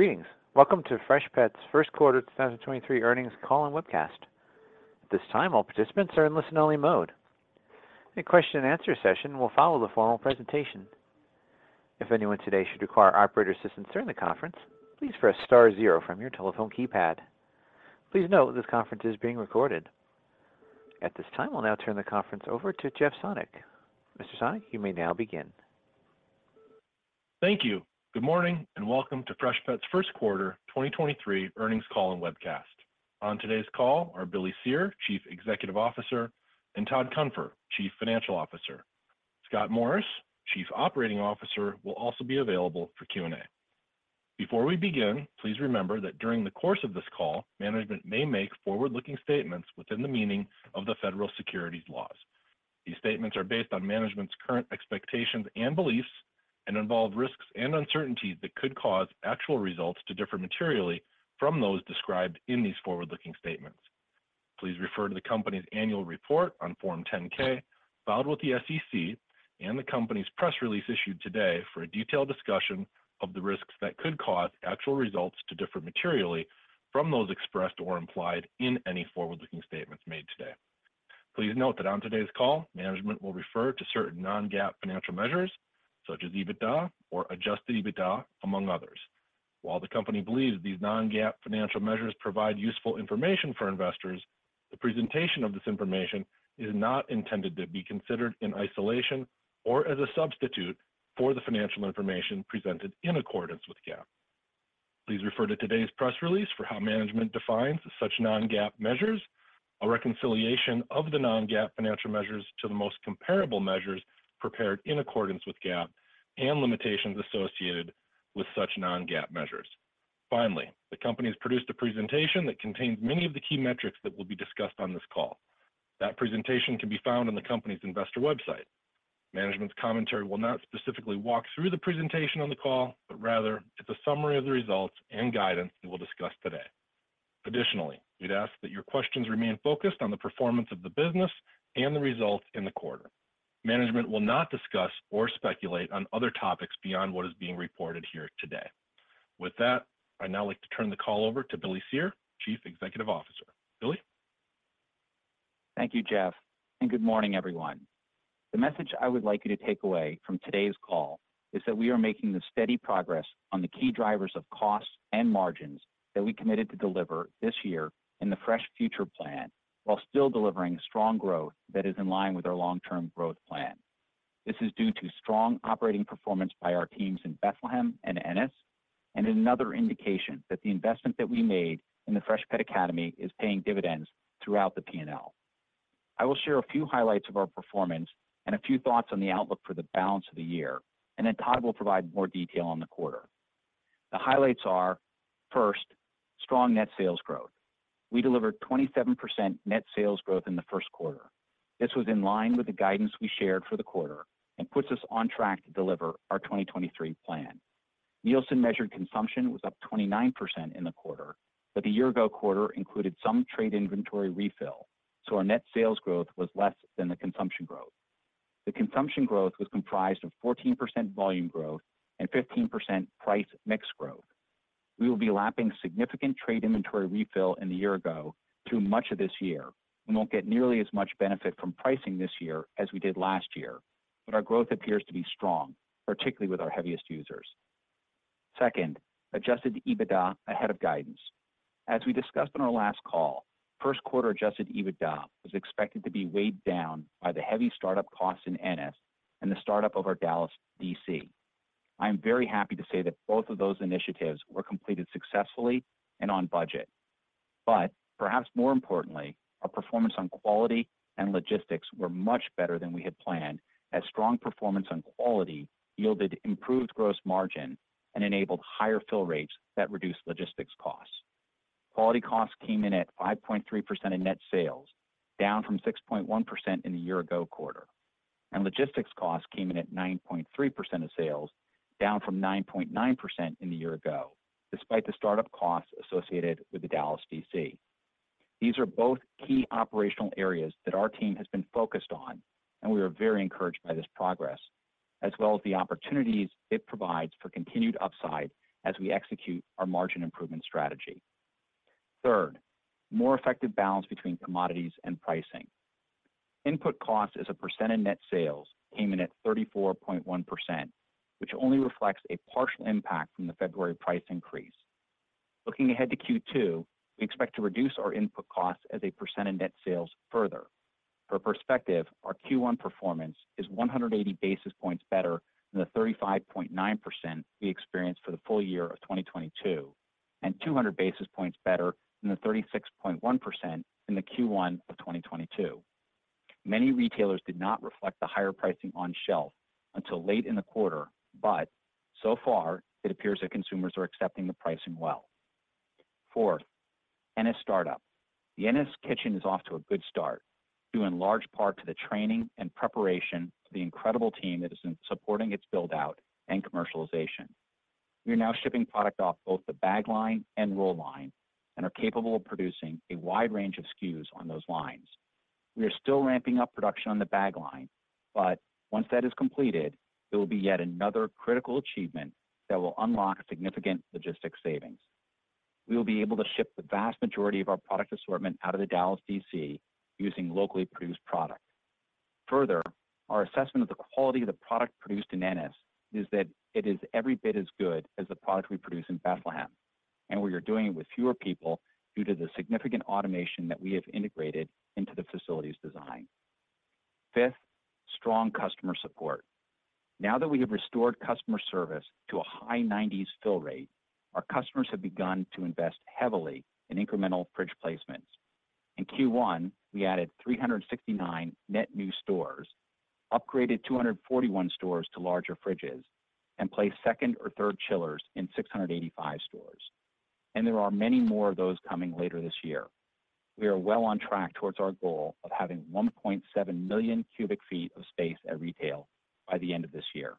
Greetings. Welcome to Freshpet's First Quarter 2023 Earnings Call and Webcast. At this time, all participants are in listen-only mode. A question and answer session will follow the formal presentation. If anyone today should require operator assistance during the conference, please press star zero from your telephone keypad. Please note this conference is being recorded. At this time, I'll now turn the conference over to Jeff Sonnek. Mr. Sonnek, you may now begin. Thank you. Good morning, and welcome to Freshpet's First Quarter 2023 Earnings Call and Webcast. On today's call are Billy Cyr, Chief Executive Officer, and Todd Cunfer, Chief Financial Officer. Scott Morris, Chief Operating Officer, will also be available for Q&A. Before we begin, please remember that during the course of this call, management may make forward-looking statements within the meaning of the federal securities laws. These statements are based on management's current expectations and beliefs and involve risks and uncertainties that could cause actual results to differ materially from those described in these forward-looking statements. Please refer to the company's annual report on Form 10-K filed with the SEC and the company's press release issued today for a detailed discussion of the risks that could cause actual results to differ materially from those expressed or implied in any forward-looking statements made today. Please note that on today's call, management will refer to certain non-GAAP financial measures such as EBITDA or adjusted EBITDA, among others. While the company believes these non-GAAP financial measures provide useful information for investors, the presentation of this information is not intended to be considered in isolation or as a substitute for the financial information presented in accordance with GAAP. Please refer to today's press release for how management defines such non-GAAP measures, a reconciliation of the non-GAAP financial measures to the most comparable measures prepared in accordance with GAAP, and limitations associated with such non-GAAP measures. Finally, the company's produced a presentation that contains many of the key metrics that will be discussed on this call. That presentation can be found on the company's investor website. Management's commentary will not specifically walk through the presentation on the call, but rather it's a summary of the results and guidance that we'll discuss today. Additionally, we'd ask that your questions remain focused on the performance of the business and the results in the quarter. Management will not discuss or speculate on other topics beyond what is being reported here today. With that, I'd now like to turn the call over to Billy Cyr, Chief Executive Officer. Billy. Thank you, Jeff. Good morning, everyone. The message I would like you to take away from today's call is that we are making the steady progress on the key drivers of costs and margins that we committed to deliver this year in the Fresh Future Plan, while still delivering strong growth that is in line with our long-term growth plan. This is due to strong operating performance by our teams in Bethlehem and Ennis, another indication that the investment that we made in the Freshpet Academy is paying dividends throughout the P&L. I will share a few highlights of our performance and a few thoughts on the outlook for the balance of the year. Todd will provide more detail on the quarter. The highlights are, first, strong net sales growth. We delivered 27% net sales growth in the first quarter. This was in line with the guidance we shared for the quarter and puts us on track to deliver our 2023 plan. Nielsen measured consumption was up 29% in the quarter, but the year ago quarter included some trade inventory refill, so our net sales growth was less than the consumption growth. The consumption growth was comprised of 14% volume growth and 15% price mix growth. We will be lapping significant trade inventory refill in the year ago through much of this year and won't get nearly as much benefit from pricing this year as we did last year, but our growth appears to be strong, particularly with our heaviest users. Second, adjusted EBITDA ahead of guidance. As we discussed on our last call, first quarter adjusted EBITDA was expected to be weighed down by the heavy startup costs in Ennis and the startup of our Dallas D.C. I am very happy to say that both of those initiatives were completed successfully and on budget. Perhaps more importantly, our performance on quality and logistics were much better than we had planned as strong performance on quality yielded improved gross margin and enabled higher fill rates that reduced logistics costs. Quality costs came in at 5.3% of net sales, down from 6.1% in the year ago quarter. Logistics costs came in at 9.3% of sales, down from 9.9% in the year ago, despite the startup costs associated with the Dallas D.C. These are both key operational areas that our team has been focused on. We are very encouraged by this progress, as well as the opportunities it provides for continued upside as we execute our margin improvement strategy. Third, more effective balance between commodities and pricing. Input cost as a percentage of net sales came in at 34.1%, which only reflects a partial impact from the February price increase. Looking ahead to Q2, we expect to reduce our input costs as a percentage of net sales further. For perspective, our Q1 performance is 180 basis points better than the 35.9% we experienced for the full-year of 2022 and 200 basis points better than the 36.1% in the Q1 of 2022. Many retailers did not reflect the higher pricing on shelf until late in the quarter, but so far it appears that consumers are accepting the pricing well. Fourth, Ennis startup. The Ennis Kitchen is off to a good start, due in large part to the training and preparation of the incredible team that is in supporting its build-out and commercialization. We are now shipping product off both the bag line and roll line and are capable of producing a wide range of SKUs on those lines. We are still ramping up production on the bag line, but once that is completed, it will be yet another critical achievement that will unlock significant logistics savings. We will be able to ship the vast majority of our product assortment out of the Dallas DC using locally produced products. Further, our assessment of the quality of the product produced in Ennis is that it is every bit as good as the product we produce in Bethlehem, and we are doing it with fewer people due to the significant automation that we have integrated into the facility's design. Fifth, strong customer support. Now that we have restored customer service to a high 90s fill rate, our customers have begun to invest heavily in incremental fridge placements. In Q1, we added 369 net new stores, upgraded 241 stores to larger fridges, and placed second or third chillers in 685 stores. There are many more of those coming later this year. We are well on track towards our goal of having 1.7 million cubic feet of space at retail by the end of this year.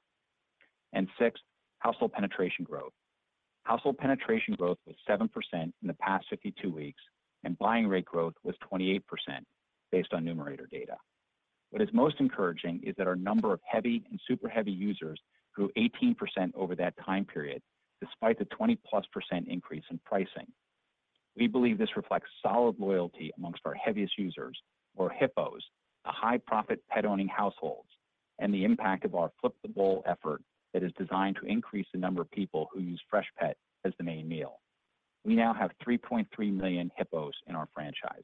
Sixth, household penetration growth. Household penetration growth was 7% in the past 52 weeks, and buying rate growth was 28% based on Numerator data. What is most encouraging is that our number of heavy and super heavy users grew 18% over that time period despite the 20+% increase in pricing. We believe this reflects solid loyalty amongst our heaviest users or HIPPOHs, the High Profit Pet-Owning Households, and the impact of our flip-the-bowl effort that is designed to increase the number of people who use Freshpet as the main meal. We now have 3.3 million HIPPOHs in our franchise.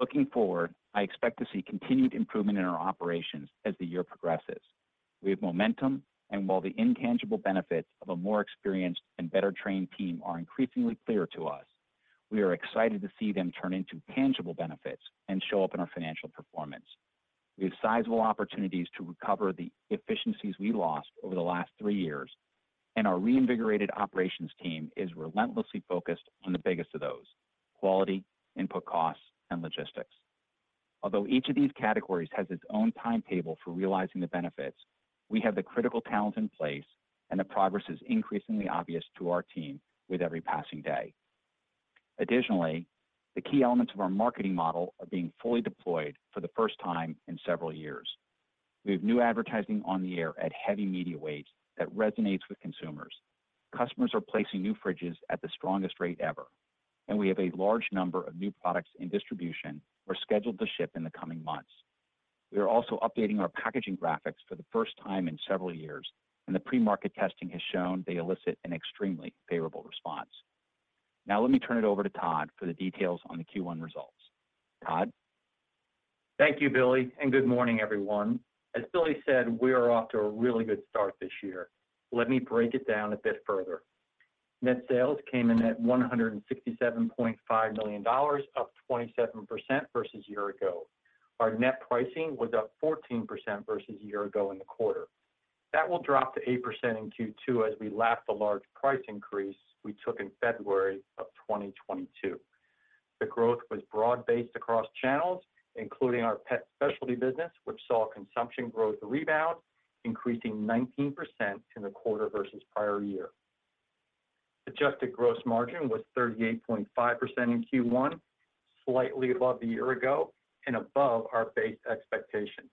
Looking forward, I expect to see continued improvement in our operations as the year progresses. We have momentum, and while the intangible benefits of a more experienced and better-trained team are increasingly clear to us, we are excited to see them turn into tangible benefits and show up in our financial performance. We have sizable opportunities to recover the efficiencies we lost over the last three years, and our reinvigorated operations team is relentlessly focused on the biggest of those: quality, input costs, and logistics. Although each of these categories has its own timetable for realizing the benefits, we have the critical talent in place, and the progress is increasingly obvious to our team with every passing day. Additionally, the key elements of our marketing model are being fully deployed for the first time in several years. We have new advertising on the air at heavy media weight that resonates with consumers. Customers are placing new fridges at the strongest rate ever, and we have a large number of new products in distribution or scheduled to ship in the coming months. We are also updating our packaging graphics for the first time in several years, and the pre-market testing has shown they elicit an extremely favorable response. Now let me turn it over to Todd for the details on the Q1 results. Todd? Thank you, Billy. Good morning, everyone. As Billy said, we are off to a really good start this year. Let me break it down a bit further. Net sales came in at $167.5 million, up 27% versus a year ago. Our net pricing was up 14% versus a year ago in the quarter. That will drop to 8% in Q2 as we lap the large price increase we took in February of 2022. The growth was broad-based across channels, including our pet specialty business, which saw consumption growth rebound, increasing 19% in the quarter versus prior-year. Adjusted gross margin was 38.5% in Q1, slightly above the year ago and above our base expectation.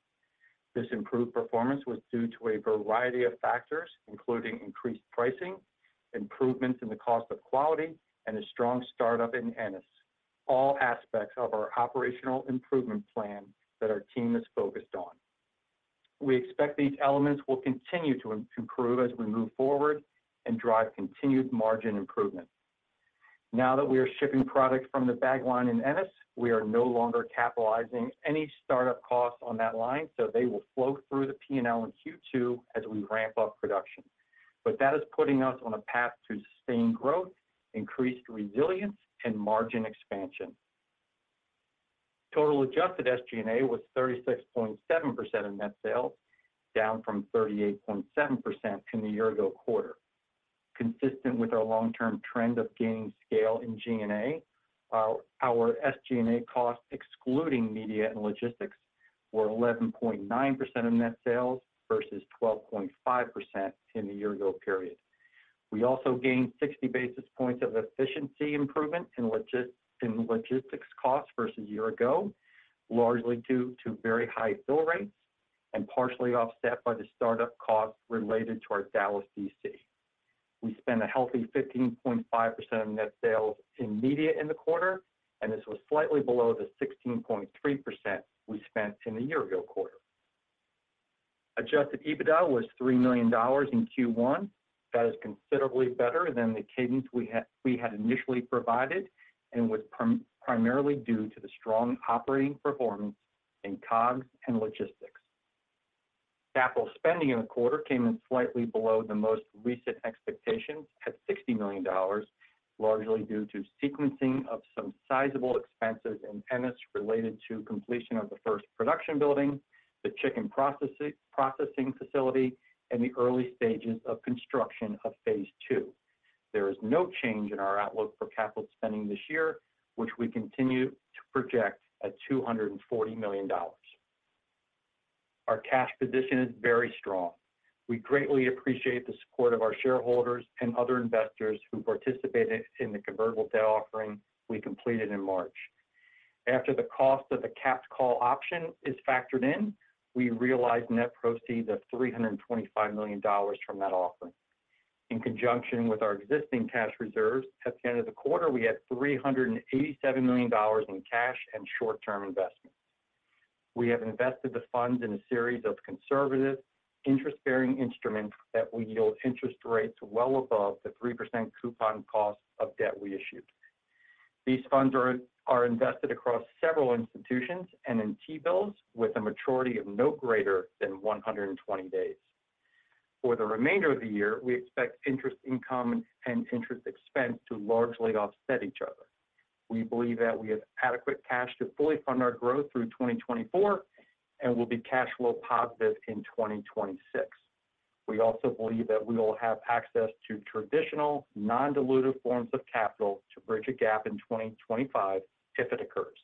This improved performance was due to a variety of factors, including increased pricing, improvements in the cost of quality, and a strong start-up in Ennis, all aspects of our operational improvement plan that our team is focused on. We expect these elements will continue to improve as we move forward and drive continued margin improvement. Now that we are shipping product from the bag line in Ennis, we are no longer capitalizing any start-up costs on that line, so they will flow through the P&L in Q2 as we ramp up production. That is putting us on a path to sustained growth, increased resilience and margin expansion. Total adjusted SG&A was 36.7% of net sales, down from 38.7% in the year ago quarter. Consistent with our long-term trend of gaining scale in G&A, our SG&A costs, excluding media and logistics, were 11.9% of net sales versus 12.5% in the year ago period. We also gained 60 basis points of efficiency improvement in logistics costs versus a year ago, largely due to very high fill rates and partially offset by the start-up costs related to our Dallas DC. We spent a healthy 15.5% of net sales in media in the quarter. This was slightly below the 16.3% we spent in the year ago quarter. Adjusted EBITDA was $3 million in Q1. That is considerably better than the cadence we had initially provided and was primarily due to the strong operating performance in COGS and logistics. Capital spending in the quarter came in slightly below the most recent expectations at $60 million, largely due to sequencing of some sizable expenses in Ennis related to completion of the first production building, the chicken processing facility, and the early stages of construction of phase two. There is no change in our outlook for capital spending this year, which we continue to project at $240 million. Our cash position is very strong. We greatly appreciate the support of our shareholders and other investors who participated in the convertible debt offering we completed in March. After the cost of the capped call option is factored in, we realized net proceeds of $325 million from that offering. In conjunction with our existing cash reserves, at the end of the quarter, we had $387 million in cash and short-term investments. We have invested the funds in a series of conservative interest-bearing instruments that will yield interest rates well above the 3% coupon cost of debt we issued. These funds are invested across several institutions and in T-bills with a maturity of no greater than 120 days. For the remainder of the year, we expect interest income and interest expense to largely offset each other. We believe that we have adequate cash to fully fund our growth through 2024 and will be cash flow positive in 2026. We believe that we will have access to traditional non-dilutive forms of capital to bridge a gap in 2025 if it occurs.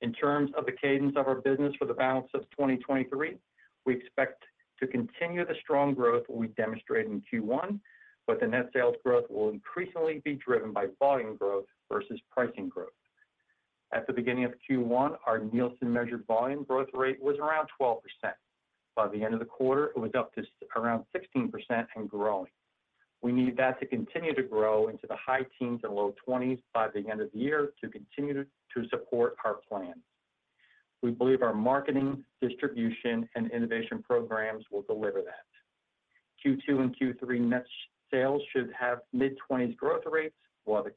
In terms of the cadence of our business for the balance of 2023, we expect to continue the strong growth we demonstrated in Q1, but the net sales growth will increasingly be driven by volume growth versus pricing growth. At the beginning of Q1, our Nielsen measured volume growth rate was around 12%. By the end of the quarter, it was up to around 16% and growing. We need that to continue to grow into the high teens and low-20s by the end of the year to continue to support our plan. We believe our marketing, distribution, and innovation programs will deliver that. Q2 and Q3 net sales should have mid-20s growth rates, while the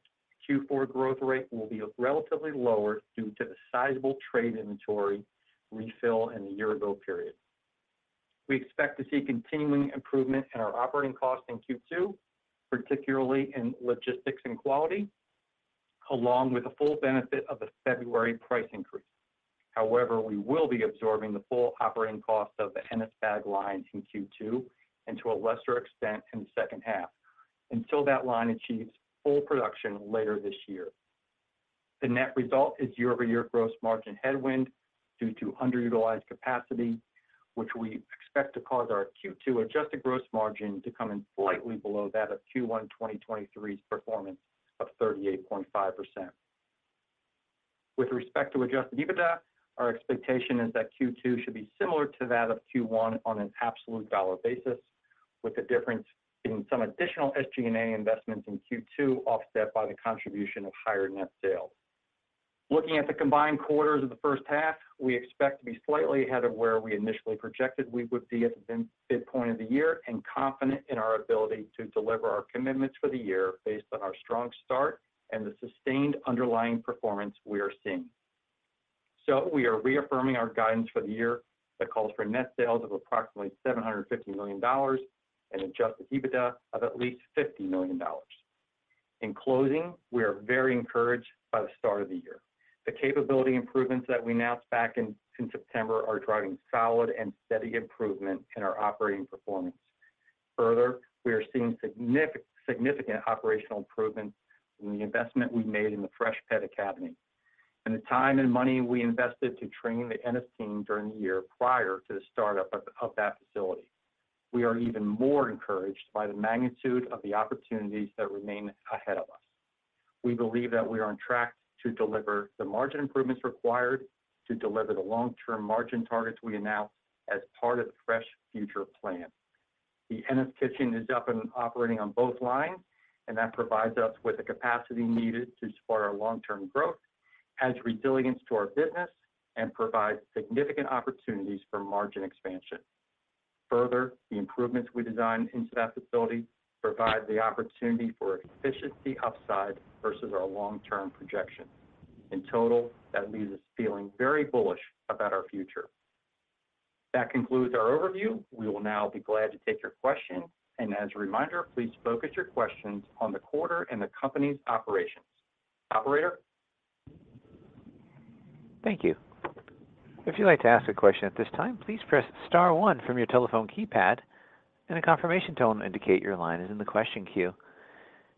Q4 growth rate will be relatively lower due to the sizable trade inventory refill in the year ago period. We expect to see continuing improvement in our operating costs in Q2, particularly in logistics and quality, along with the full benefit of the February price increase. We will be absorbing the full operating cost of the Ennis Bag line in Q2 and to a lesser extent in the second half until that line achieves full production later this year. The net result is year-over-year gross margin headwind due to underutilized capacity, which we expect to cause our Q2 adjusted gross margin to come in slightly below that of Q1 2023's performance of 38.5%. With respect to adjusted EBITDA, our expectation is that Q2 should be similar to that of Q1 on an absolute dollar basis, with the difference in some additional SG&A investments in Q2 offset by the contribution of higher net sales. Looking at the combined quarters of the first half, we expect to be slightly ahead of where we initially projected we would be at the mid-point of the year and confident in our ability to deliver our commitments for the year based on our strong start and the sustained underlying performance we are seeing. We are reaffirming our guidance for the year that calls for net sales of approximately $750 million and adjusted EBITDA of at least $50 million. In closing, we are very encouraged by the start of the year. The capability improvements that we announced back in September are driving solid and steady improvement in our operating performance. We are seeing significant operational improvements in the investment we made in the Freshpet Academy and the time and money we invested to train the Ennis team during the year prior to the start up of that facility. We are even more encouraged by the magnitude of the opportunities that remain ahead of us. We believe that we are on track to deliver the margin improvements required to deliver the long-term margin targets we announced as part of the Fresh Future plan. The Ennis Kitchen is up and operating on both lines, and that provides us with the capacity needed to support our long-term growth, adds resilience to our business, and provides significant opportunities for margin expansion. The improvements we designed into that facility provide the opportunity for efficiency upside versus our long-term projection. In total, that leaves us feeling very bullish about our future. That concludes our overview. We will now be glad to take your questions. As a reminder, please focus your questions on the quarter and the company's operations. Operator? Thank you. If you'd like to ask a question at this time, please press star one from your telephone keypad. A confirmation tone will indicate your line is in the question queue.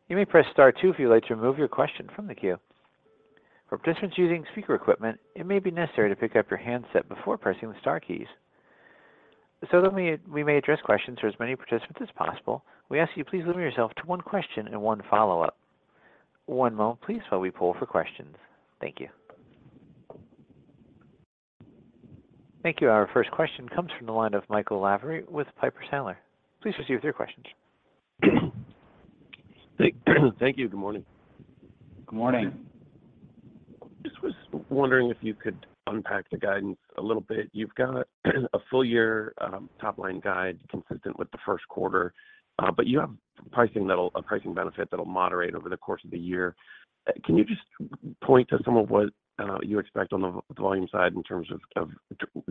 You may press star two if you'd like to remove your question from the queue. For participants using speaker equipment, it may be necessary to pick up your handset before pressing the star keys. That we may address questions to as many participants as possible, we ask you please limit yourself to one question and one follow-up. One moment please while we poll for questions. Thank you. Thank you. Our first question comes from the line of Michael Lavery with Piper Sandler. Please proceed with your questions. Thank you. Good morning. Good morning. Just was wondering if you could unpack the guidance a little bit. You've got a full-year, top line guide consistent with the first quarter, but you have a pricing benefit that'll moderate over the course of the year. Can you just point to some of what you expect on the volume side in terms of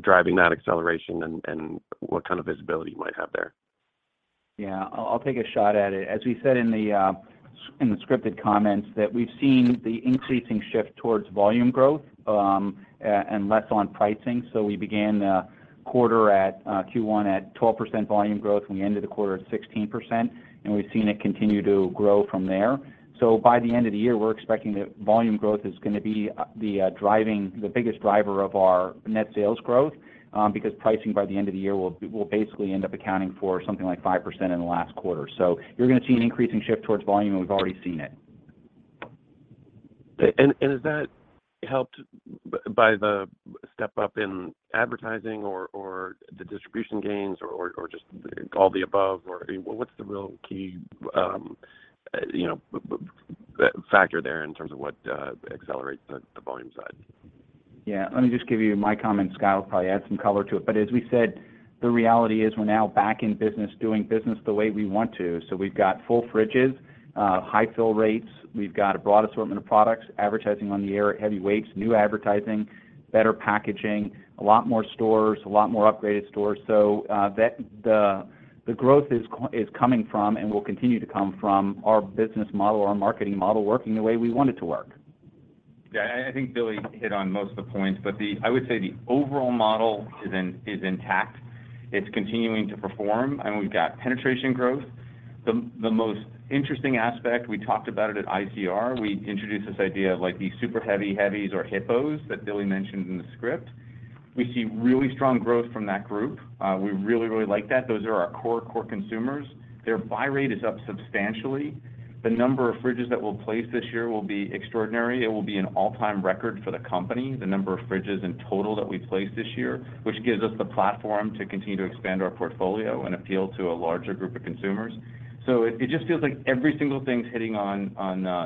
driving that acceleration and what kind of visibility you might have there? Yeah. I'll take a shot at it. As we said in the. In the scripted comments that we've seen the increasing shift towards volume growth, and less on pricing. We began the quarter at Q1 at 12% volume growth, and we ended the quarter at 16%, and we've seen it continue to grow from there. By the end of the year, we're expecting that volume growth is gonna be the biggest driver of our net sales growth, because pricing by the end of the year will basically end up accounting for something like 5% in the last quarter. You're gonna see an increasing shift towards volume, and we've already seen it. Is that helped by the step up in advertising or the distribution gains, or just all the above, or I mean what's the real key, you know, factor there in terms of what accelerates the volume side? Let me just give you my comment. Scott will probably add some color to it. As we said, the reality is we're now back in business doing business the way we want to. We've got full fridges, high fill rates. We've got a broad assortment of products, advertising on the air at heavy weights, new advertising, better packaging, a lot more stores, a lot more upgraded stores. The growth is coming from and will continue to come from our business model, our marketing model working the way we want it to work. Yeah. I think Billy hit on most of the points, but I would say the overall model is intact. It's continuing to perform, and we've got penetration growth. The most interesting aspect, we talked about it at ICR. We introduced this idea of like these super heavy heavies or HIPPOHs that Billy mentioned in the script. We see really strong growth from that group. We really like that. Those are our core consumers. Their buy rate is up substantially. The number of fridges that we'll place this year will be extraordinary. It will be an all-time record for the company, the number of fridges in total that we place this year, which gives us the platform to continue to expand our portfolio and appeal to a larger group of consumers. It just feels like every single thing's hitting on,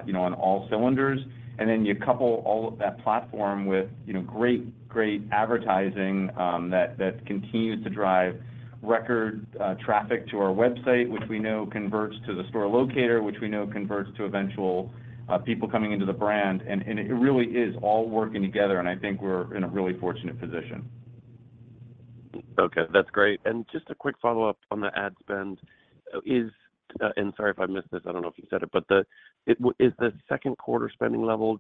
you know, on all cylinders. Then you couple all of that platform with, you know, great advertising, that continues to drive record traffic to our website, which we know converts to the store locator, which we know converts to eventual people coming into the brand. It really is all working together, and I think we're in a really fortunate position. Okay, that's great. Just a quick follow-up on the ad spend. Sorry if I missed this. I don't know if you said it, but Is the second quarter spending level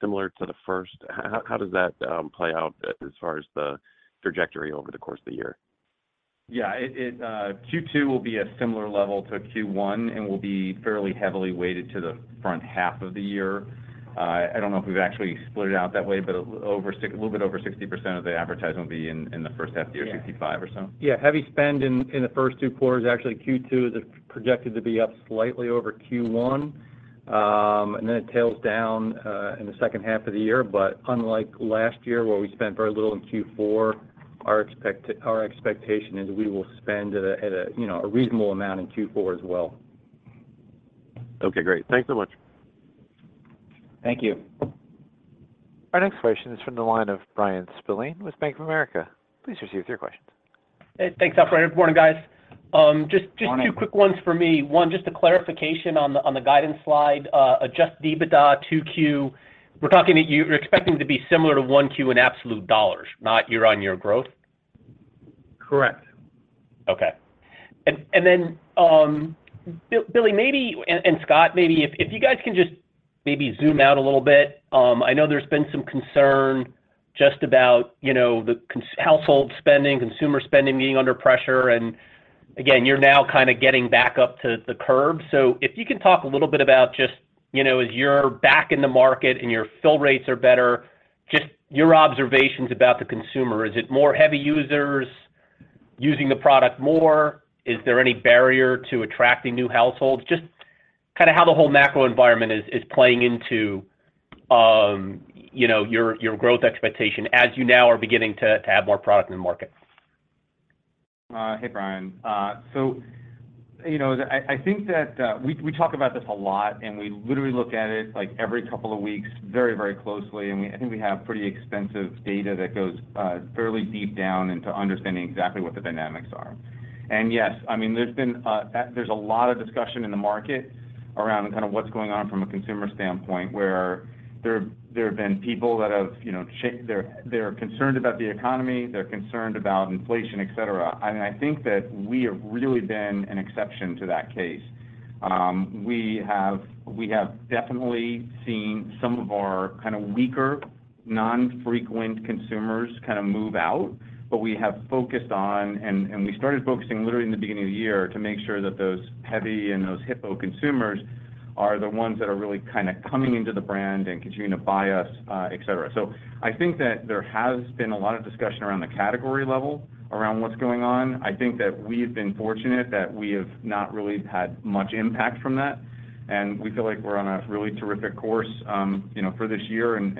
similar to the first? How does that play out as far as the trajectory over the course of the year? Yeah. It, Q2 will be a similar level to Q1 and will be fairly heavily weighted to the front half of the year. I don't know if we've actually split it out that way, a little bit over 60% of the advertising will be in the first half of the year, 65% or so. Yeah, heavy spend in the first two quarters. Actually, Q2 is projected to be up slightly over Q1. It tails down in the second half of the year. Unlike last year, where we spent very little in Q4, our expectation is we will spend at a, you know, a reasonable amount in Q4 as well. Okay, great. Thanks so much. Thank you. Our next question is from the line of Bryan Spillane with Bank of America. Please proceed with your question. Hey, thanks, operator. Morning, guys. Just two quick ones for me. One, just a clarification on the guidance slide. adjusted EBITDA 2Q, we're talking you're expecting to be similar to 1Q in absolute dollars, not year-on-year growth? Correct. Then, Billy, maybe, and Scott, maybe if you guys can just maybe zoom out a little bit. I know there's been some concern just about, you know, household spending, consumer spending being under pressure. Again, you're now kind of getting back up to the curve. If you can talk a little bit about just, you know, as you're back in the market and your fill rates are better, just your observations about the consumer. Is it more heavy users using the product more? Is there any barrier to attracting new households? Just kind of how the whole macro environment is playing into, you know, your growth expectation as you now are beginning to have more product in the market. Hey, Bryan. you know, I think that we talk about this a lot. We literally look at it like every couple of weeks very, very closely. I think we have pretty extensive data that goes fairly deep down into understanding exactly what the dynamics are. Yes, I mean, there's been a lot of discussion in the market around kind of what's going on from a consumer standpoint, where there have been people that have, you know, They're concerned about the economy, they're concerned about inflation, et cetera. I mean, I think that we have really been an exception to that case. We have definitely seen some of our kind of weaker, non-frequent consumers kind of move out. We have focused on, and we started focusing literally in the beginning of the year to make sure that those heavy and those HIPPOHs consumers are the ones that are really kind of coming into the brand and continuing to buy us, et cetera. I think that there has been a lot of discussion around the category level around what's going on. I think that we've been fortunate that we have not really had much impact from that, and we feel like we're on a really terrific course, you know, for this year and,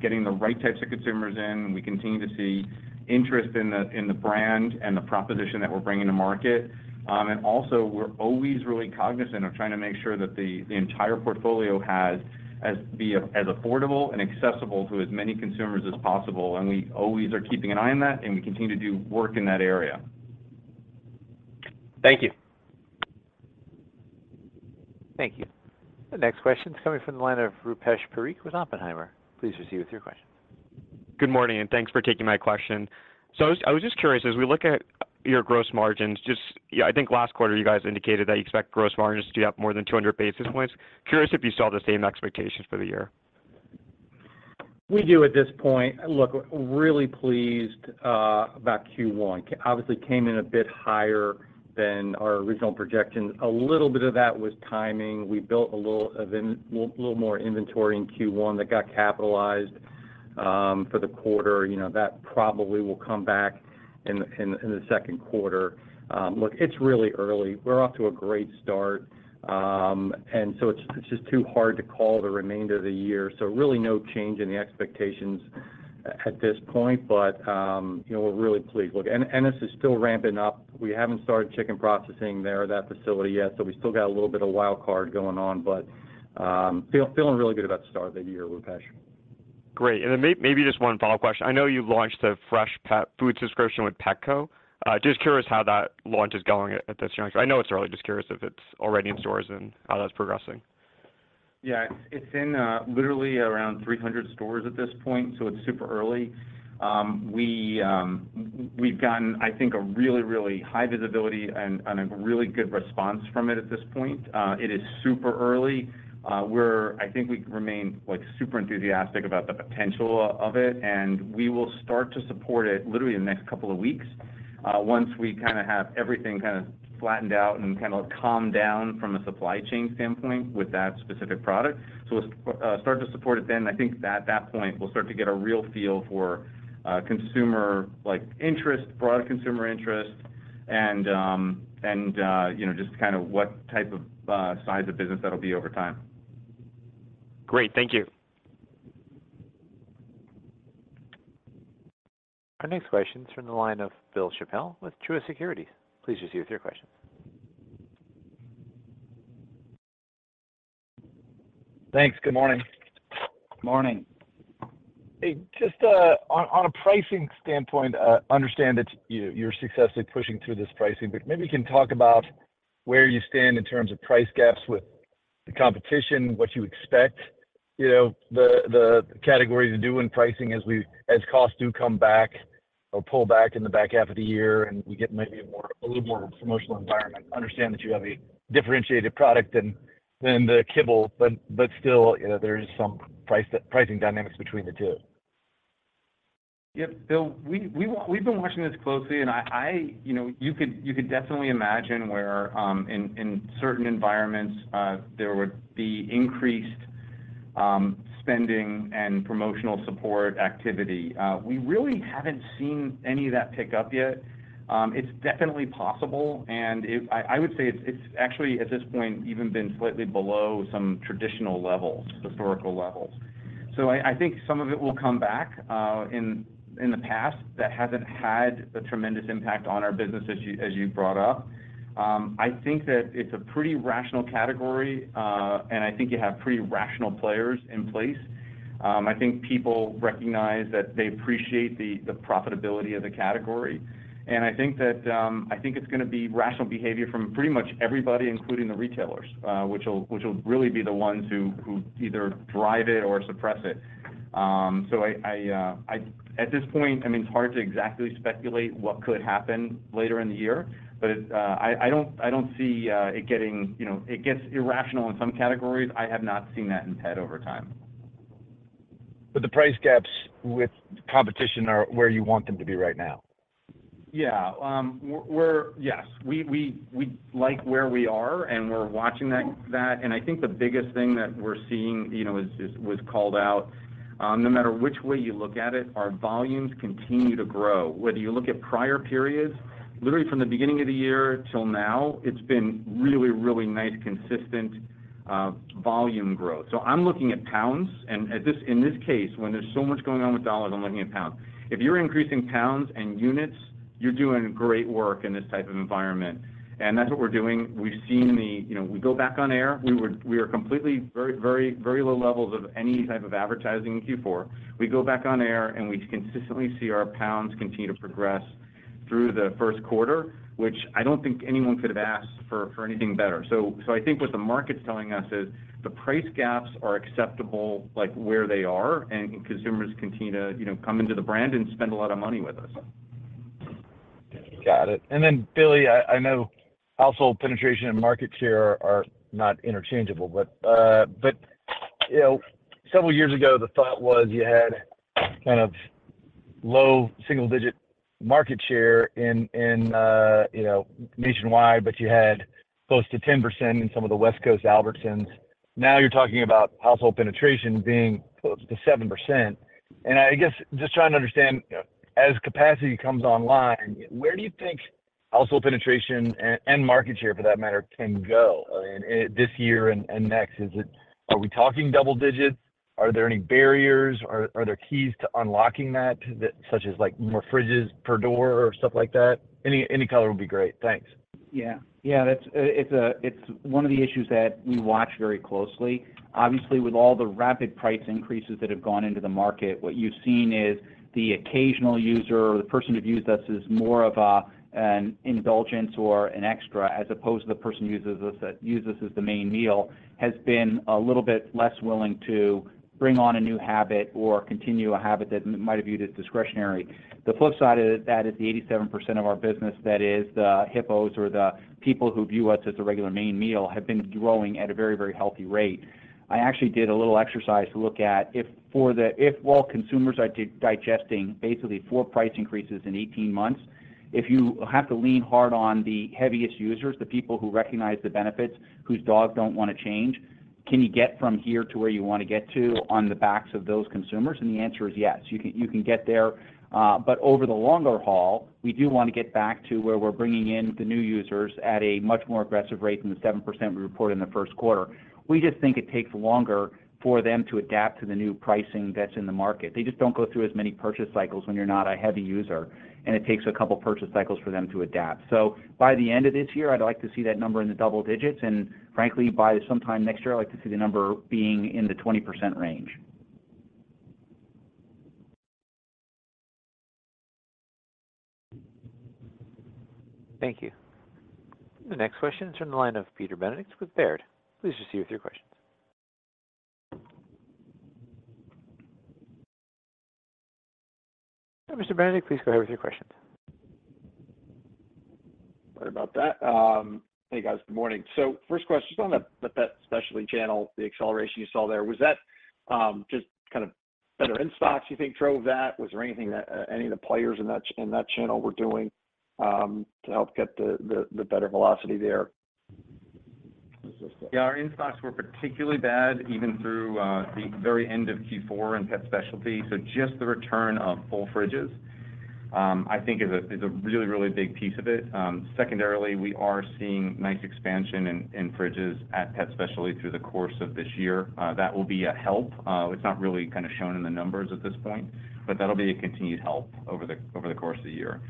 getting the right types of consumers in. We continue to see interest in the brand and the proposition that we're bringing to market. Also we're always really cognizant of trying to make sure that the entire portfolio has as affordable and accessible to as many consumers as possible. We always are keeping an eye on that, and we continue to do work in that area. Thank you. Thank you. The next question is coming from the line of Rupesh Parikh with Oppenheimer. Please proceed with your question. Good morning, and thanks for taking my question. I was just curious, as we look at your gross margins, I think last quarter you guys indicated that you expect gross margins to be up more than 200 basis points. Curious if you still have the same expectations for the year. We do at this point. Look, really pleased about Q1. Obviously came in a bit higher than our original projection. A little bit of that was timing. We built a little more inventory in Q1 that got capitalized for the quarter. You know, that probably will come back in the second quarter. Look, it's really early. We're off to a great start. It's just too hard to call the remainder of the year. Really no change in the expectations at this point. You know, we're really pleased. Look, Ennis is still ramping up. We haven't started chicken processing there at that facility yet, so we still got a little bit of wild card going on. Feeling really good about the start of the year, Rupesh. Great. Then maybe just one follow-up question. I know you've launched a Freshpet food subscription with Petco. just curious how that launch is going at this juncture. I know it's early. Just curious if it's already in stores and how that's progressing. Yeah. It's in, literally around 300 stores at this point. It's super early. We've gotten, I think, a really, really high visibility and a really good response from it at this point. It is super early. I think we remain, like, super enthusiastic about the potential of it. We will start to support it literally in the next couple of weeks, once we kinda have everything kinda flattened out and kinda calmed down from a supply chain standpoint with that specific product. We'll start to support it then. I think at that point, we'll start to get a real feel for, consumer, like, interest, product consumer interest and, you know, just kind of what type of, size of business that'll be over time. Great. Thank you. Our next question is from the line of Bill Chappell with Truist Securities. Please proceed with your question. Thanks. Good morning. Morning. Hey, just on a pricing standpoint, I understand that you're successfully pushing through this pricing, but maybe you can talk about where you stand in terms of price gaps with the competition, what you expect, you know, the category to do in pricing as costs do come back or pull back in the back half of the year, and we get maybe a more, a little more promotional environment. Understand that you have a differentiated product than the kibble, but still, you know, there is some pricing dynamics between the two. Yep. Bill, we've been watching this closely and I... You know, you could definitely imagine where, in certain environments, there would be increased spending and promotional support activity. We really haven't seen any of that pick up yet. It's definitely possible, and I would say it's actually at this point even been slightly below some traditional levels, historical levels. I think some of it will come back. In the past, that hasn't had a tremendous impact on our business as you brought up. I think that it's a pretty rational category, and I think you have pretty rational players in place. I think people recognize that they appreciate the profitability of the category. I think that, I think it's gonna be rational behavior from pretty much everybody, including the retailers, which will really be the ones who either drive it or suppress it. I mean, at this point, it's hard to exactly speculate what could happen later in the year, but I don't see it getting, you know. It gets irrational in some categories. I have not seen that in pet over time. The price gaps with competition are where you want them to be right now. Yeah. Yes. We like where we are, and we're watching that. I think the biggest thing that we're seeing, you know, is was called out, no matter which way you look at it, our volumes continue to grow. Whether you look at prior periods, literally from the beginning of the year till now, it's been really, really nice, consistent volume growth. I'm looking at pounds, and in this case, when there's so much going on with dollars, I'm looking at pounds. If you're increasing pounds and units, you're doing great work in this type of environment, and that's what we're doing. We've seen the, you know, we go back on air, we were completely very, very, very low levels of any type of advertising in Q4. We go back on air, and we consistently see our pounds continue to progress through the first quarter, which I don't think anyone could have asked for anything better. I think what the market's telling us is the price gaps are acceptable, like where they are, and consumers continue to, you know, come into the brand and spend a lot of money with us. Got it. Billy, I know household penetration and market share are not interchangeable, but, you know, several years ago, the thought was you had kind of low single-digit market share in, nationwide, but you had close to 10% in some of the West Coast Albertsons. Now you're talking about household penetration being close to 7%. I guess just trying to understand, as capacity comes online, where do you think household penetration and market share for that matter can go in this year and next? Are we talking double digits? Are there any barriers? Are there keys to unlocking that such as, like, more fridges per door or stuff like that? Any color would be great. Thanks. That's it's one of the issues that we watch very closely. Obviously, with all the rapid price increases that have gone into the market, what you've seen is the occasional user or the person who views us as more of a, an indulgence or an extra, as opposed to the person who uses us, that uses us as the main meal, has been a little bit less willing to bring on a new habit or continue a habit that might have viewed as discretionary. The flip side of that is the 87% of our business that is the HIPPOHs or the people who view us as a regular main meal, have been growing at a very, very healthy rate. I actually did a little exercise to look at if for the... If while consumers are digesting basically four price increases in 18 months, if you have to lean hard on the heaviest users, the people who recognize the benefits, whose dogs don't wanna change, can you get from here to where you wanna get to on the backs of those consumers? The answer is yes, you can, you can get there. Over the longer haul, we do wanna get back to where we're bringing in the new users at a much more aggressive rate than the 7% we reported in the first quarter. We just think it takes longer for them to adapt to the new pricing that's in the market. They just don't go through as many purchase cycles when you're not a heavy user, and it takes a couple purchase cycles for them to adapt. By the end of this year, I'd like to see that number in the double digits, and frankly, by sometime next year, I'd like to see the number being in the 20% range. Thank you. The next question is from the line of Peter Benedict with Baird. Please proceed with your questions. Mr. Benedict, please go ahead with your questions. Sorry about that. Hey, guys. Good morning. First question, just on the pet specialty channel, the acceleration you saw there, was that just kind of better in-stocks you think drove that? Was there anything that any of the players in that channel were doing to help get the better velocity there? Our in-stocks were particularly bad even through the very end of Q4 in pet specialty. Just the return of full fridges, I think is a really, really big piece of it. Secondarily, we are seeing nice expansion in fridges at pet specialty through the course of this year. That will be a help. It's not really kinda shown in the numbers at this point, but that'll be a continued help over the course of the year.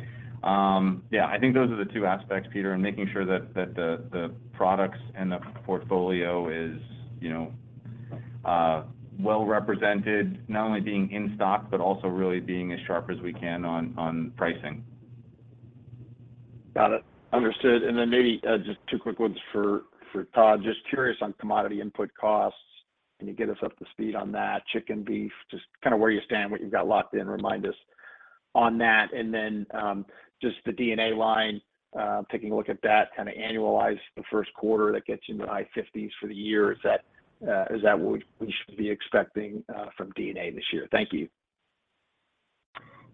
I think those are the two aspects, Peter, and making sure that the products and the portfolio is, you know, well-represented, not only being in stock, but also really being as sharp as we can on pricing. Got it. Understood. Then maybe just two quick ones for Todd. Just curious on commodity input costs. Can you get us up to speed on that? Chicken, beef, just kinda where you stand, what you've got locked in. Remind us on that. Then just the D&A line, taking a look at that, kinda annualize the first quarter that gets you into high 50s for the year. Is that what we should be expecting from D&A this year? Thank you.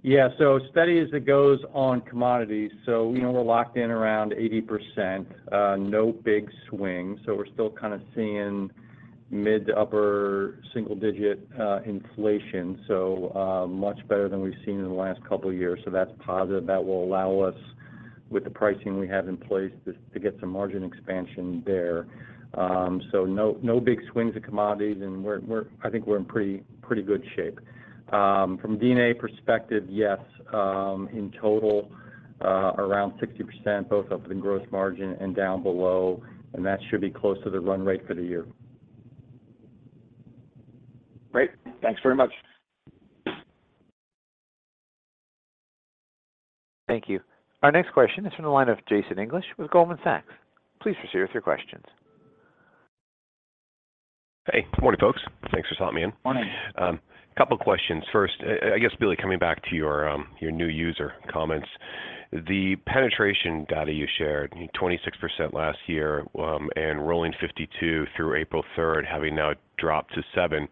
Yeah. Steady as it goes on commodities. You know, we're locked in around 80%, no big swings. We're still kinda seeing mid to upper single-digit inflation, so much better than we've seen in the last couple years. That's positive. That will allow us, with the pricing we have in place, to get some margin expansion there. No, no big swings in commodities and we're I think we're in pretty good shape. From D&A perspective, yes, in total, around 60% both up in gross margin and down below, and that should be close to the run rate for the year. Great. Thanks very much. Thank you. Our next question is from the line of Jason English with Goldman Sachs. Please proceed with your questions. Hey, good morning, folks. Thanks for talking me in. Morning. Couple questions. First, I guess, Billy, coming back to your new user comments. The penetration data you shared, you know, 26% last year, and rolling 52 through April 3rd, having now dropped to seven,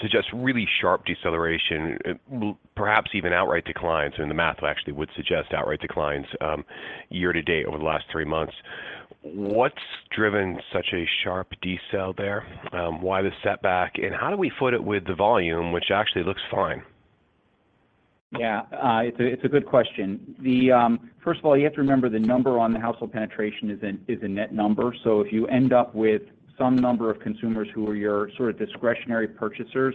suggests really sharp deceleration, perhaps even outright declines, and the math actually would suggest outright declines, year-to-date over the last three months. What's driven such a sharp decel there? Why the setback, and how do we foot it with the volume, which actually looks fine? Yeah. It's a good question. The, first of all, you have to remember the number on the household penetration is a net number. If you end up with some number of consumers who are your sort of discretionary purchasers,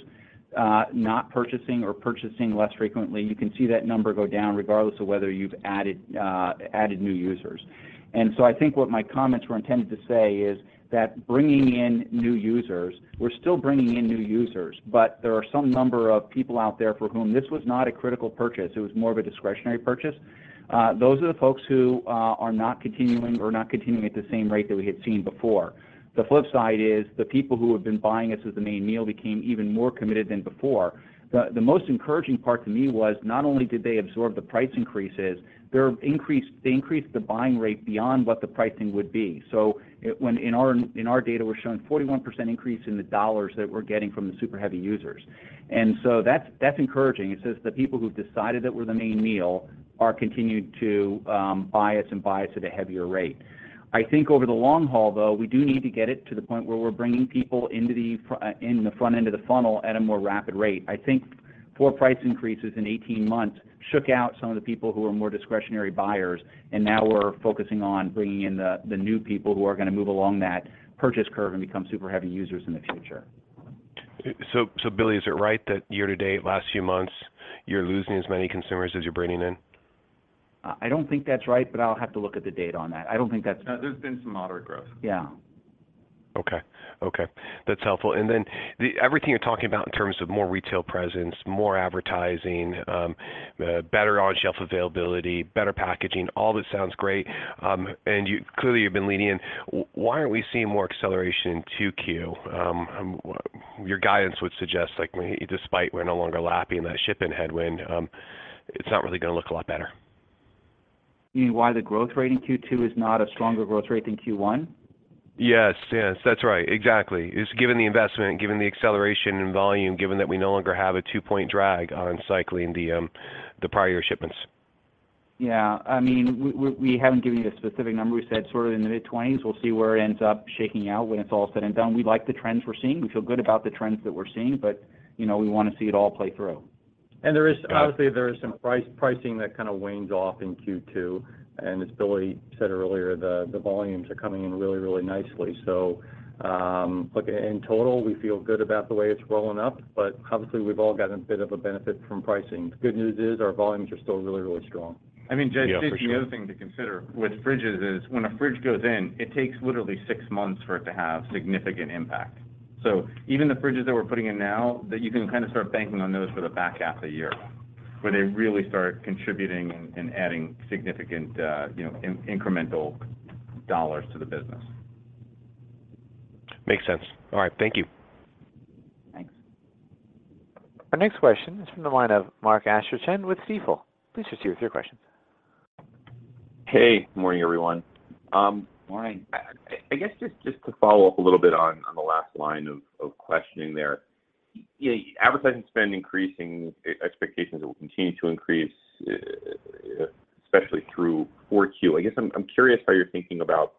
not purchasing or purchasing less frequently, you can see that number go down regardless of whether you've added new users. I think what my comments were intended to say is that bringing in new users, we're still bringing in new users, but there are some number of people out there for whom this was not a critical purchase, it was more of a discretionary purchase. Those are the folks who are not continuing at the same rate that we had seen before. The flip side is the people who have been buying us as the main meal became even more committed than before. The most encouraging part to me was not only did they absorb the price increases, they increased the buying rate beyond what the pricing would be. When in our data, we're showing 41% increase in the dollars that we're getting from the super heavy users. That's encouraging. It says the people who've decided that we're the main meal are continued to buy us and buy us at a heavier rate. I think over the long haul though, we do need to get it to the point where we're bringing people into the front end of the funnel at a more rapid rate. I think four price increases in 18 months shook out some of the people who are more discretionary buyers. Now we're focusing on bringing in the new people who are gonna move along that purchase curve and become super heavy users in the future. Billy, is it right that year-to-date, last few months, you're losing as many consumers as you're bringing in? I don't think that's right, but I'll have to look at the data on that. No, there's been some moderate growth. Yeah. Okay. That's helpful. Everything you're talking about in terms of more retail presence, more advertising, better on-shelf availability, better packaging, all this sounds great. Clearly, you've been leaning in. Why aren't we seeing more acceleration in 2Q? Your guidance would suggest, like, despite we're no longer lapping that shipping headwind, it's not really gonna look a lot better. You mean, why the growth rate in Q2 is not a stronger growth rate than Q1? Yes, yes. That's right, exactly. Just given the investment, given the acceleration in volume, given that we no longer have a two-point drag on cycling the prior-year shipments. Yeah. I mean, we haven't given you a specific number. We said sort of in the mid-twenties. We'll see where it ends up shaking out when it's all said and done. We like the trends we're seeing. We feel good about the trends that we're seeing, you know, we wanna see it all play through. There is obviously, there is some price-pricing that kind of wanes off in Q2. As Billy said earlier, the volumes are coming in really, really nicely. Look, in total, we feel good about the way it's rolling up, but obviously, we've all gotten a bit of a benefit from pricing. The good news is our volumes are still really, really strong. Yeah, for sure. I mean, just a few things to consider with fridges is when a fridge goes in, it takes literally six months for it to have significant impact. Even the fridges that we're putting in now that you can kind of start banking on those for the back half of the year, where they really start contributing and adding significant, you know, incremental dollars to the business. Makes sense. All right. Thank you. Thanks. Our next question is from the line of Mark Astrachan with Stifel. Please proceed with your question. Hey, good morning, everyone. Morning. I guess just to follow up a little bit on the last line of questioning there. You know, advertising spend increasing expectations will continue to increase, especially through 4Q. I guess I'm curious how you're thinking about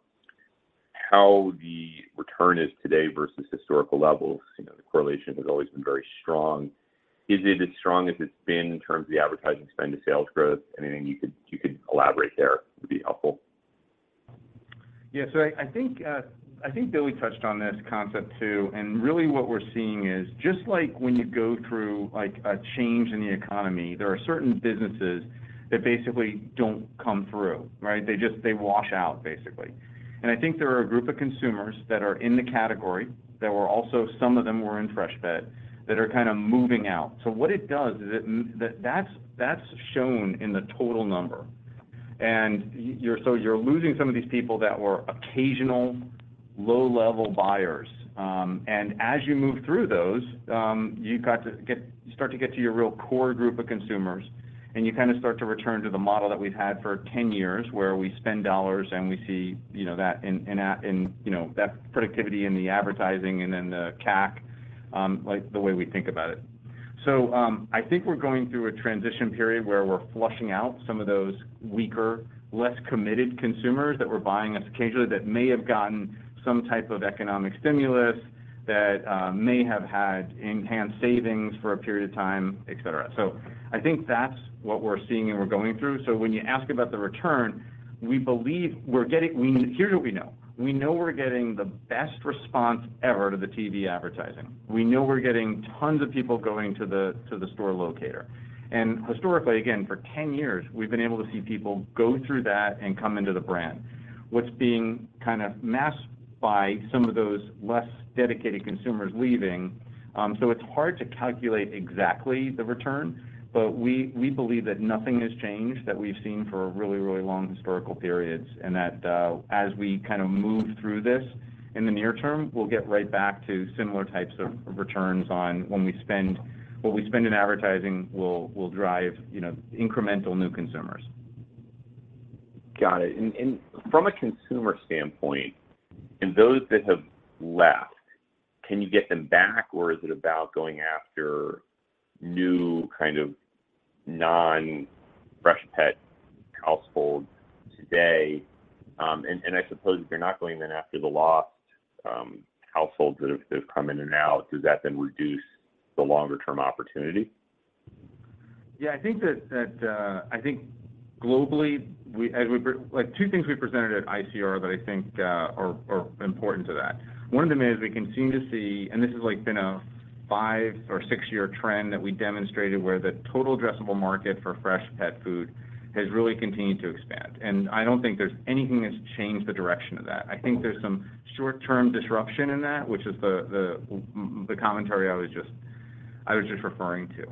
how the return is today versus historical levels. You know, the correlation has always been very strong. Is it as strong as it's been in terms of the advertising spend to sales growth? Anything you could elaborate there would be helpful. Yeah. I think, I think Billy touched on this concept, too. Really what we're seeing is just like when you go through, like, a change in the economy, there are certain businesses that basically don't come through, right? They just, they wash out basically. I think there are a group of consumers that are in the category that were also, some of them were in Freshpet, that are kinda moving out. What it does is that's shown in the total number. You're losing some of these people that were occasional low-level buyers. And as you move through those, you start to get to your real core group of consumers, and you kinda start to return to the model that we've had for 10 years, where we spend dollars and we see, you know, that in, you know, that productivity in the advertising and in the CAC, like the way we think about it. I think we're going through a transition period where we're flushing out some of those weaker, less committed consumers that were buying us occasionally that may have gotten some type of economic stimulus, that may have had enhanced savings for a period of time, et cetera. I think that's what we're seeing and we're going through. When you ask about the return, we believe we're getting. Here's what we know. We know we're getting the best response ever to the TV advertising. We know we're getting tons of people going to the store locator. Historically, again, for 10 years, we've been able to see people go through that and come into the brand. What's being kind of masked by some of those less dedicated consumers leaving, so it's hard to calculate exactly the return, but we believe that nothing has changed that we've seen for a really, really long historical periods. That, as we kind of move through this in the near term, we'll get right back to similar types of returns on What we spend in advertising will drive, you know, incremental new consumers. Got it. From a consumer standpoint, and those that have left, can you get them back or is it about going after new kind of non-Freshpet households today? I suppose if you're not going in after the lost, households that have come in and out, does that then reduce the longer term opportunity? Yeah, I think that, I think globally, Like, two things we presented at ICR that I think are important to that. One of them is we continue to see... This has, like, been a five or six-year trend that we demonstrated, where the total addressable market for fresh pet food has really continued to expand. I don't think there's anything that's changed the direction of that. I think there's some short-term disruption in that, which is the commentary I was just referring to.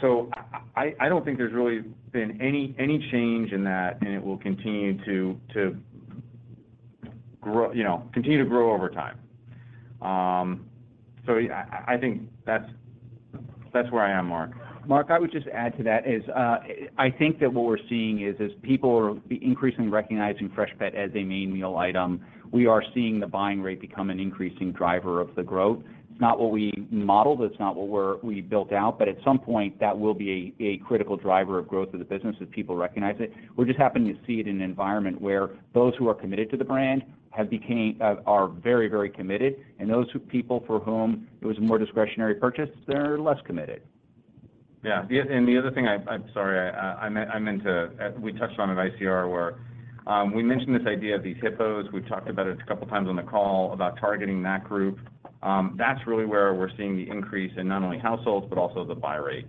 So I don't think there's really been any change in that and it will continue to grow, you know, continue to grow over time. So I think that's where I am, Mark. Mark, I would just add to that is, I think that what we're seeing is, as people are increasingly recognizing Freshpet as a main meal item, we are seeing the buying rate become an increasing driver of the growth. It's not what we modeled, it's not what we built out, but at some point that will be a critical driver of growth of the business as people recognize it. We're just happening to see it in an environment where those who are committed to the brand have became, are very, very committed, and those people for whom it was a more discretionary purchase, they're less committed. Yeah. The other thing we touched on at ICR where we mentioned this idea of these HIPPOHs. We've talked about it a couple of times on the call about targeting that group. That's really where we're seeing the increase in not only households, but also the buy rate.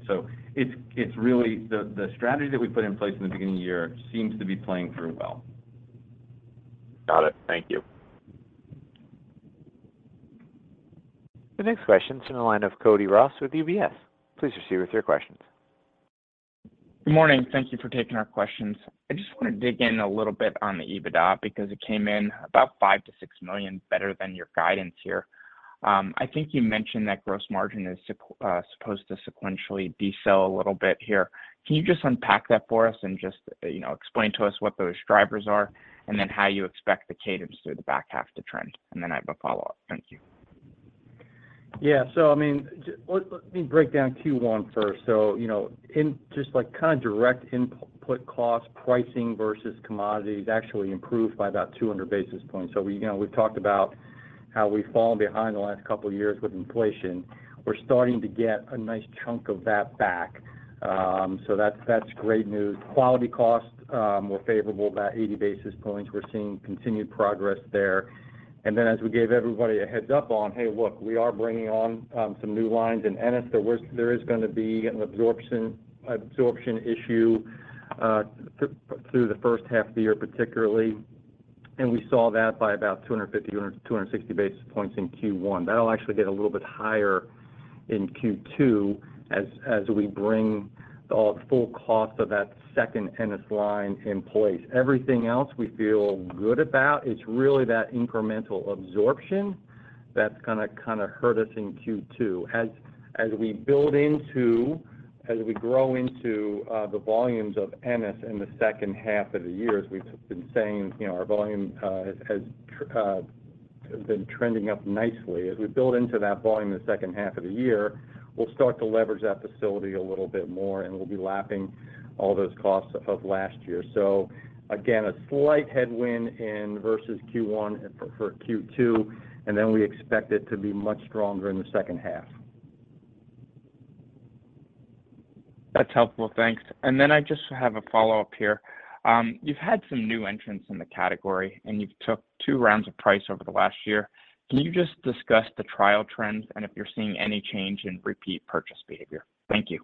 It's, it's really the strategy that we put in place in the beginning of the year seems to be playing through well. Got it. Thank you. The next question is from the line of Cody Ross with UBS. Please proceed with your questions. Good morning. Thank you for taking our questions. I just wanna dig in a little bit on the EBITDA because it came in about $5 million-$6 million better than your guidance here. I think you mentioned that gross margin is supposed to sequentially decel a little bit here. Can you just unpack that for us and just, you know, explain to us what those drivers are and then how you expect the cadence through the back half to trend? I have a follow-up. Thank you. I mean, let me break down Q1 first. You know, in just like kind of direct input cost pricing versus commodities actually improved by about 200 basis points. We, you know, we've talked about how we've fallen behind the last couple of years with inflation. We're starting to get a nice chunk of that back, that's great news. Quality costs were favorable about 80 basis points. We're seeing continued progress there. As we gave everybody a heads up on, "Hey, look, we are bringing on some new lines in Ennis," there is gonna be an absorption issue through the first half of the year, particularly. We saw that by about 250, 260 basis points in Q1. That'll actually get a little bit higher in Q2 as we bring the full cost of that second Ennis line in place. Everything else we feel good about, it's really that incremental absorption that's gonna kinda hurt us in Q2. As we grow into the volumes of Ennis in the second half of the year, as we've been saying, you know, our volume has been trending up nicely. As we build into that volume in the second half of the year, we'll start to leverage that facility a little bit more, and we'll be lapping all those costs of last year. Again, a slight headwind in versus Q1 for Q2, and then we expect it to be much stronger in the second half. That's helpful. Thanks. I just have a follow-up here. You've had some new entrants in the category, and you've took two rounds of price over the last year. Can you just discuss the trial trends and if you're seeing any change in repeat purchase behavior? Thank you.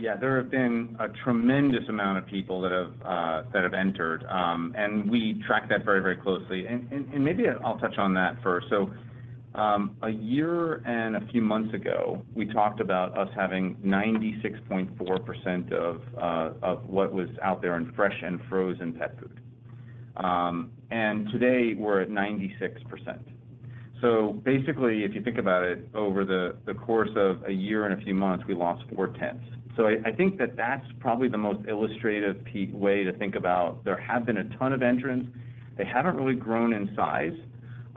Yeah. There have been a tremendous amount of people that have entered, and we track that very, very closely. Maybe I'll touch on that first. A year and a few months ago, we talked about us having 96.4% of what was out there in fresh and frozen pet food. Today, we're at 96%. Basically, if you think about it, over the course of a year and a few months, we lost 0.4. I think that that's probably the most illustrative way to think about. There have been a ton of entrants. They haven't really grown in size,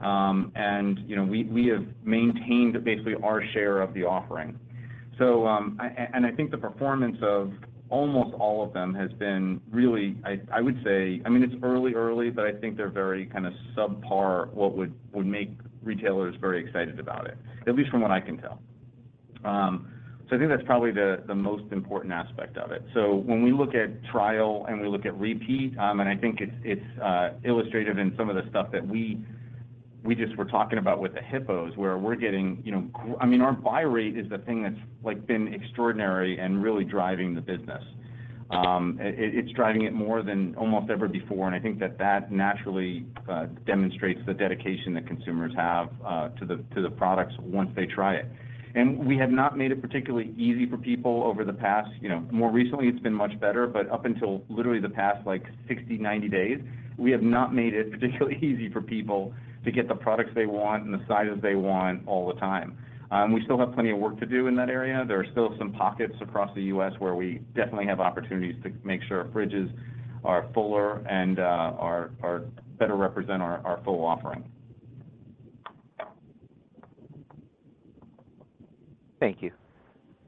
and, you know, we have maintained basically our share of the offering. I think the performance of almost all of them has been really, I would say, I mean, it's early, but I think they're very kinda subpar what would make retailers very excited about it, at least from what I can tell. I think that's probably the most important aspect of it. When we look at trial and we look at repeat, I think it's illustrated in some of the stuff that we just were talking about with the HIPPOHs, where we're getting, you know, I mean, our buy rate is the thing that's, like, been extraordinary and really driving the business. It's driving it more than almost ever before, and I think that that naturally demonstrates the dedication that consumers have to the products once they try it. We have not made it particularly easy for people over the past, you know, more recently, it's been much better, but up until literally the past, like, 60, 90 days, we have not made it particularly easy for people to get the products they want and the sizes they want all the time. We still have plenty of work to do in that area. There are still some pockets across the U.S. where we definitely have opportunities to make sure fridges are fuller and are better represent our full offering. Thank you.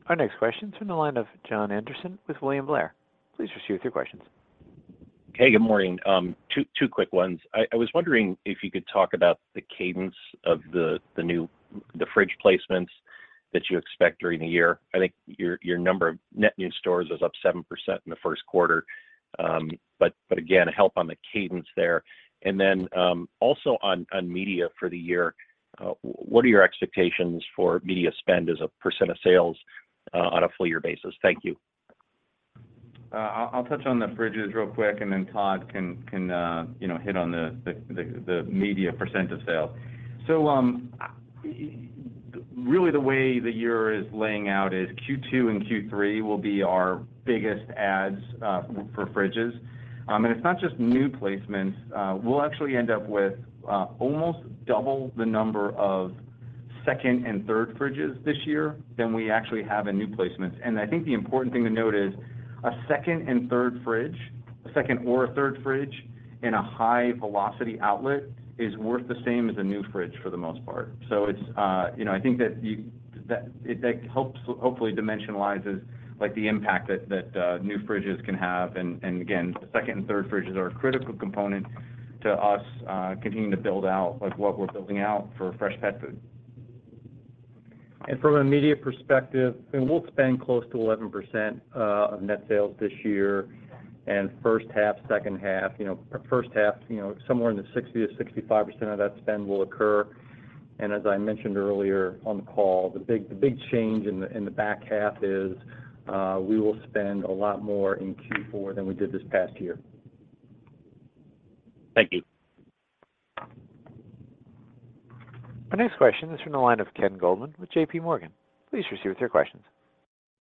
Our next question is from the line of Jon Andersen with William Blair. Please proceed with your questions. Hey, good morning. Two quick ones. I was wondering if you could talk about the cadence of the new, the fridge placements that you expect during the year. I think your number of net new stores was up 7% in the first quarter. But again, help on the cadence there. Also on media for the year, what are your expectations for media spend as a percent of sales on a full-year basis? Thank you. I'll touch on the fridges real quick, and then Todd can, you know, hit on the media percentage of sale. Really the way the year is laying out is Q2 and Q3 will be our biggest adds for fridges. It's not just new placements. We'll actually end up with almost double the number of second and third fridges this year than we actually have in new placements. I think the important thing to note is a second and third fridge, a second or a third fridge in a high velocity outlet is worth the same as a new fridge for the most part. It's, you know, I think that that helps hopefully dimensionalizes, like, the impact that new fridges can have. Again, second and third fridges are a critical component to us, continuing to build out, like, what we're building out for Freshpet food. From a media perspective, we'll spend close to 11% of net sales this year and first half, second half, you know, our first half, you know, somewhere in the 60%-65% of that spend will occur. As I mentioned earlier on the call, the big change in the back half is, we will spend a lot more in Q4 than we did this past year. Thank you. Our next question is from the line of Ken Goldman with J.P. Morgan. Please proceed with your questions.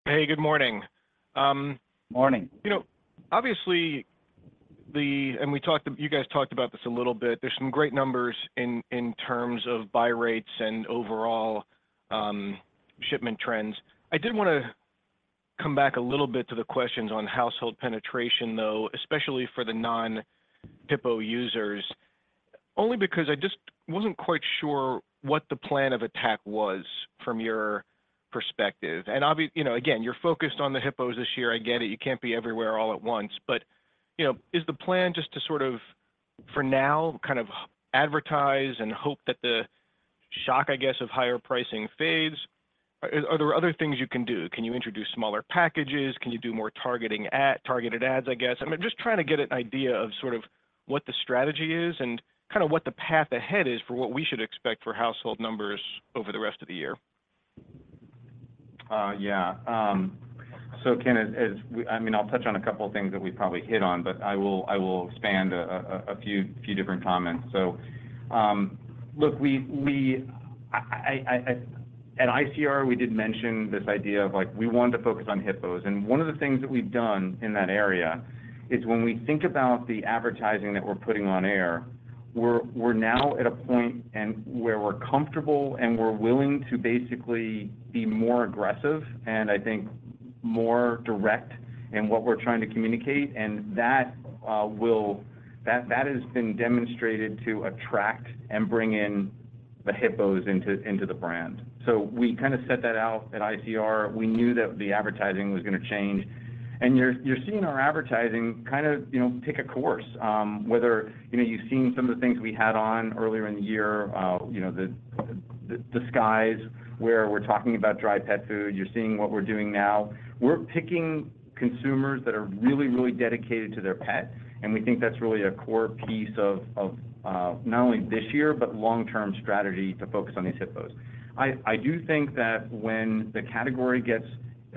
Hey, good morning. Morning. You know, obviously you guys talked about this a little bit. There's some great numbers in terms of buy rates and overall shipment trends. I did wanna come back a little bit to the questions on household penetration, though, especially for the non-HIPPO users. Only because I just wasn't quite sure what the plan of attack was from your perspective. You know, again, you're focused on the HIPPOs this year. I get it. You can't be everywhere all at once. You know, is the plan just to sort of, for now, kind of advertise and hope that the shock, I guess, of higher pricing fades? Are there other things you can do? Can you introduce smaller packages? Can you do more targeting targeted ads, I guess? I mean, just trying to get an idea of sort of what the strategy is and kinda what the path ahead is for what we should expect for household numbers over the rest of the year. Yeah. Ken, as we I mean, I'll touch on a couple of things that we probably hit on, but I will expand a few different comments. Look, we at ICR, we did mention this idea of, like, we want to focus on HIPPOHs. One of the things that we've done in that area is when we think about the advertising that we're putting on air, we're now at a point and where we're comfortable and we're willing to basically be more aggressive and I think more direct in what we're trying to communicate, and that has been demonstrated to attract and bring in the HIPPOHs into the brand. We kinda set that out at ICR. We knew that the advertising was gonna change. You're seeing our advertising kind of, you know, take a course, whether, you know, you've seen some of the things we had on earlier in the year, you know, the skies where we're talking about dry pet food. You're seeing what we're doing now. We're picking consumers that are really dedicated to their pet, and we think that's really a core piece of, not only this year, but long-term strategy to focus on these HIPPOHs. I do think that when the category gets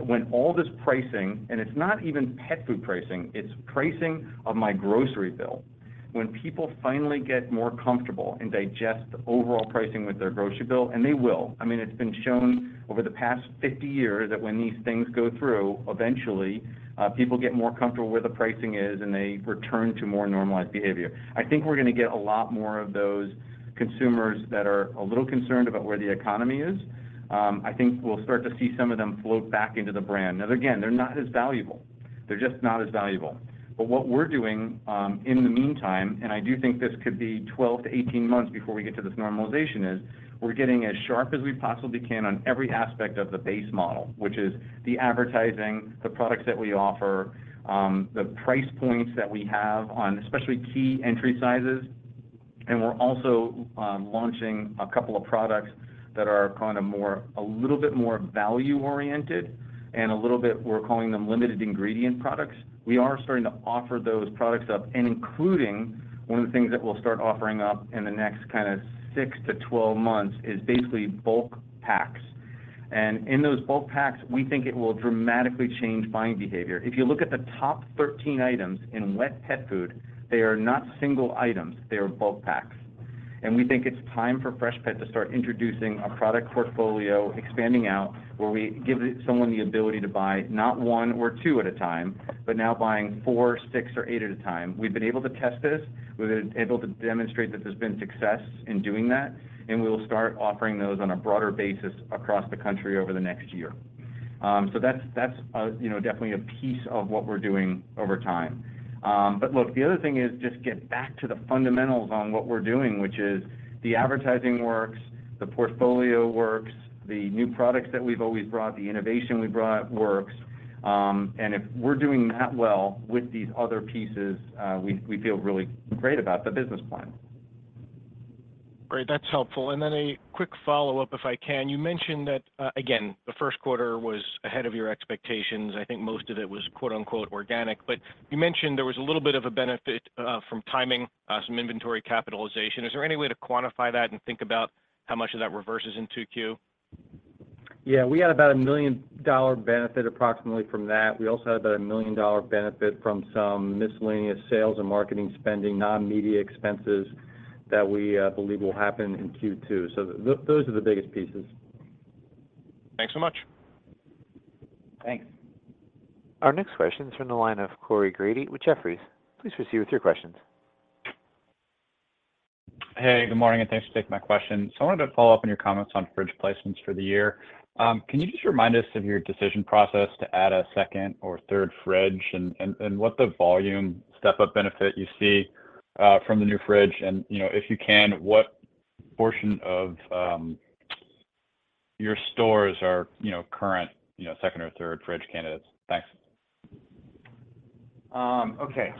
when all this pricing, and it's not even pet food pricing, it's pricing of my grocery bill, when people finally get more comfortable and digest the overall pricing with their grocery bill, and they will. I mean, it's been shown over the past 50 years that when these things go through, eventually, people get more comfortable where the pricing is, and they return to more normalized behavior. I think we're gonna get a lot more of those consumers that are a little concerned about where the economy is. I think we'll start to see some of them float back into the brand. Now, again, they're not as valuable. They're just not as valuable. What we're doing, in the meantime, and I do think this could be 12 months-18 months before we get to this normalization, is we're getting as sharp as we possibly can on every aspect of the base model, which is the advertising, the products that we offer, the price points that we have on especially key entry sizes. We're also launching two products that are kind of more, a little bit more value-oriented and a little bit, we're calling them limited ingredient products. We are starting to offer those products up, including one of the things that we'll start offering up in the next kind of 6 months-12 months is basically bulk packs. In those bulk packs, we think it will dramatically change buying behavior. If you look at the top 13 items in wet pet food, they are not single items, they are bulk packs. We think it's time for Freshpet to start introducing a product portfolio expanding out, where we give someone the ability to buy not one or two at a time, but now buying four, six or eight at a time. We've been able to test this. We've been able to demonstrate that there's been success in doing that. We will start offering those on a broader basis across the country over the next year. That's, you know, definitely a piece of what we're doing over time. Look, the other thing is just get back to the fundamentals on what we're doing, which is the advertising works, the portfolio works, the new products that we've always brought, the innovation we brought works. If we're doing that well with these other pieces, we feel really great about the business plan. Great. That's helpful. A quick follow-up, if I can. You mentioned that, again, the first quarter was ahead of your expectations. I think most of it was, quote-unquote, "organic." You mentioned there was a little bit of a benefit, from timing, some inventory capitalization. Is there any way to quantify that and think about how much of that reverses in 2Q? Yeah. We had about a $1 million benefit approximately from that. We also had about a $1 million benefit from some miscellaneous sales and marketing spending, non-media expenses that we believe will happen in Q2. Those are the biggest pieces. Thanks so much. Thanks. Our next question is from the line of Corey Grady with Jefferies. Please proceed with your questions. Good morning, and thanks for taking my question. I wanted to follow up on your comments on fridge placements for the year. Can you just remind us of your decision process to add a second or third fridge and what the volume step-up benefit you see from the new fridge? You know, if you can, what portion of your stores are, you know, current, you know, second or third fridge candidates? Thanks. Okay.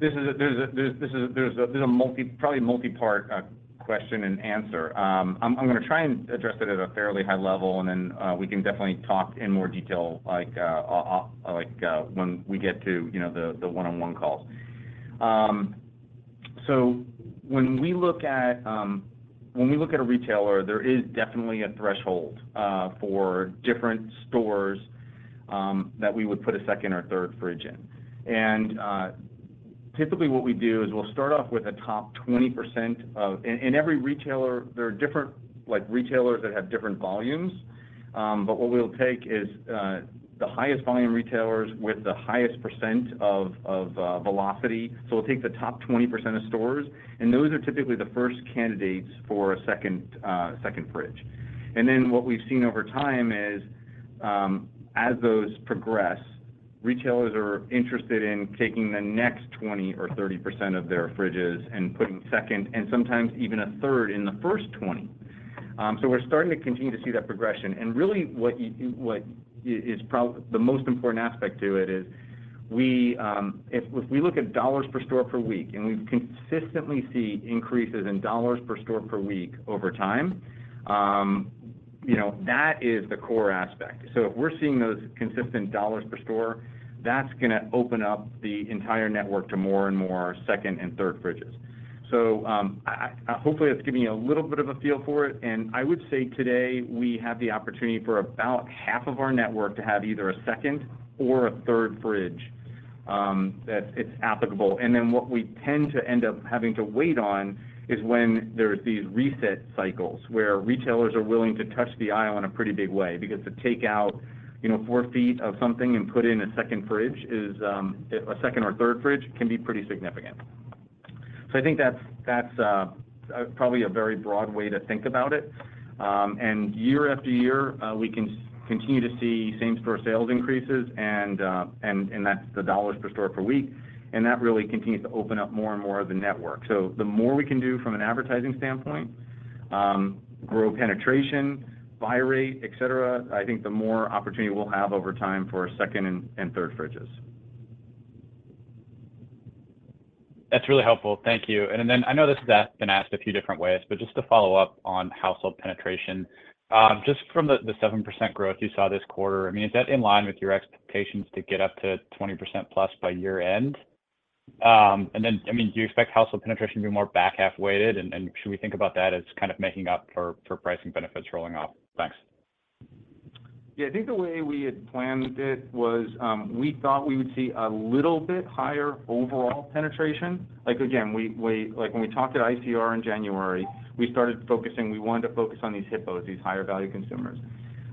This is a multi-- probably multi-part, question and answer. I'm gonna try and address it at a fairly high level, and then, we can definitely talk in more detail like, when we get to, you know, the one-on-one calls. When we look at, when we look at a retailer, there is definitely a threshold, for different stores, that we would put a second or third fridge in. Typically what we do is we'll start off with a top 20% of... In every retailer there are different, like, retailers that have different volumes. What we'll take is the highest volume retailers with the highest percent of velocity. We'll take the top 20% of stores, and those are typically the first candidates for a second fridge. What we've seen over time is, as those progress, retailers are interested in taking the next 20% or 30% of their fridges and putting second and sometimes even a third in the first 20. We're starting to continue to see that progression. Really what is probably the most important aspect to it is, if we look at dollars per store per week, and we consistently see increases in dollars per store per week over time, you know, that is the core aspect. If we're seeing those consistent dollars per store, that's gonna open up the entire network to more and more second and third fridges. I hopefully that's giving you a little bit of a feel for it, and I would say today we have the opportunity for about half of our network to have either a second or a third fridge that it's applicable. What we tend to end up having to wait on is when there's these reset cycles where retailers are willing to touch the aisle in a pretty big way because to take out, you know, four feet of something and put in a second fridge is a second or third fridge can be pretty significant. I think that's probably a very broad way to think about it. Year-after-year, we can continue to see same-store sales increases and that's the dollars per store per week. That really continues to open up more and more of the network. The more we can do from an advertising standpoint, grow penetration, buy rate, et cetera, I think the more opportunity we'll have over time for second and third fridges. That's really helpful. Thank you. I know this has been asked a few different ways, but just to follow up on household penetration, just from the 7% growth you saw this quarter, I mean, is that in line with your expectations to get up to 20%+ by year-end? I mean, do you expect household penetration to be more back half weighted, and should we think about that as kind of making up for pricing benefits rolling off? Thanks. Yeah. I think the way we had planned it was, we thought we would see a little bit higher overall penetration. Like, again, like, when we talked at ICR in January, we started focusing, we wanted to focus on these HIPPOHs, these higher value consumers.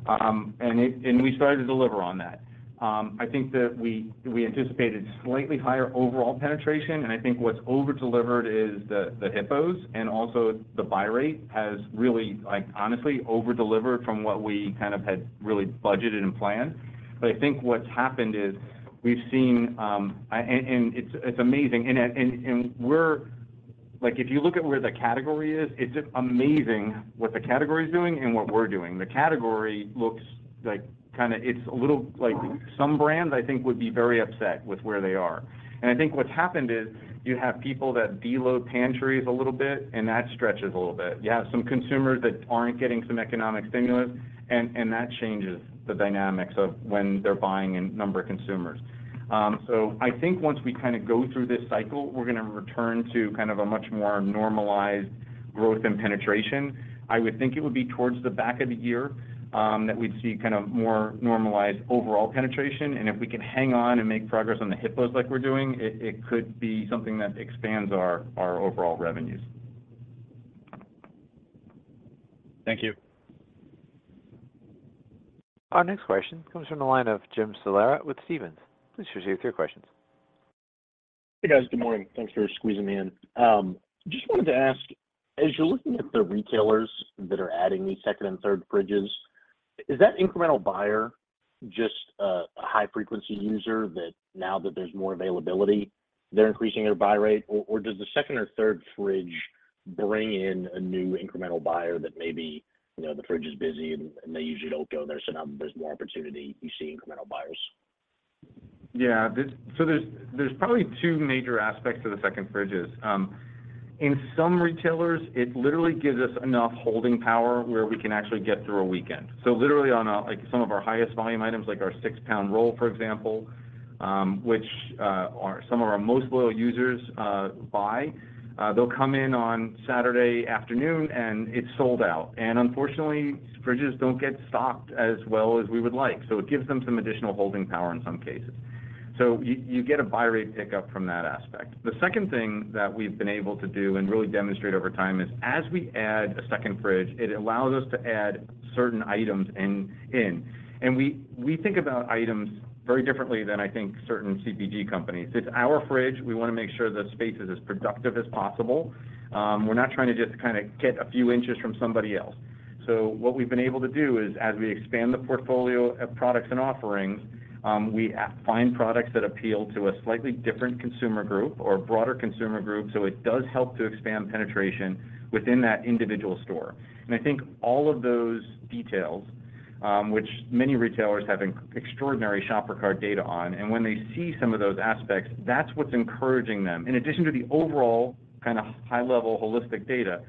We started to deliver on that. I think that we anticipated slightly higher overall penetration, and I think what's over-delivered is the HIPPOHs and also the buy rate has really, like, honestly over-delivered from what we kind of had really budgeted and planned. I think what's happened is we've seen, and it's amazing. We're... Like, if you look at where the category is, it's just amazing what the category is doing and what we're doing. The category looks like kinda... It's a little... Like, some brands I think would be very upset with where they are. I think what's happened is you have people that deload pantries a little bit, and that stretches a little bit. You have some consumers that aren't getting some economic stimulus, and that changes the dynamics of when they're buying in number of consumers. I think once we kinda go through this cycle, we're gonna return to kind of a much more normalized growth and penetration. I would think it would be towards the back of the year, that we'd see kind of more normalized overall penetration. If we can hang on and make progress on the HIPPOHs like we're doing, it could be something that expands our overall revenues. Thank you. Our next question comes from the line of Jim Salera with Stephens. Please proceed with your questions. Hey, guys. Good morning. Thanks for squeezing me in. Just wanted to ask, as you're looking at the retailers that are adding these second and third fridges, is that incremental buyer just a high frequency user that now that there's more availability, they're increasing their buy rate? Or does the second or third fridge bring in a new incremental buyer that maybe, you know, the fridge is busy and they usually don't go there, so now there's more opportunity, you see incremental buyers? Yeah. There's probably two major aspects to the second fridges. In some retailers, it literally gives us enough holding power where we can actually get through a weekend. Literally on a, like, some of our highest volume items, like our six-pound roll, for example, which, some of our most loyal users, buy, they'll come in on Saturday afternoon, and it's sold out, and unfortunately, fridges don't get stocked as well as we would like. It gives them some additional holding power in some cases. You, you get a buy rate pickup from that aspect. The second thing that we've been able to do and really demonstrate over time is as we add a second fridge, it allows us to add certain items in. We, we think about items very differently than I think certain CPG companies. It's our fridge. We wanna make sure the space is as productive as possible. We're not trying to just kinda get a few inches from somebody else. What we've been able to do is as we expand the portfolio of products and offerings, we find products that appeal to a slightly different consumer group or a broader consumer group, so it does help to expand penetration within that individual store. I think all of those details, which many retailers have an extraordinary shopper card data on. When they see some of those aspects, that's what's encouraging them. In addition to the overall kinda high-level holistic data,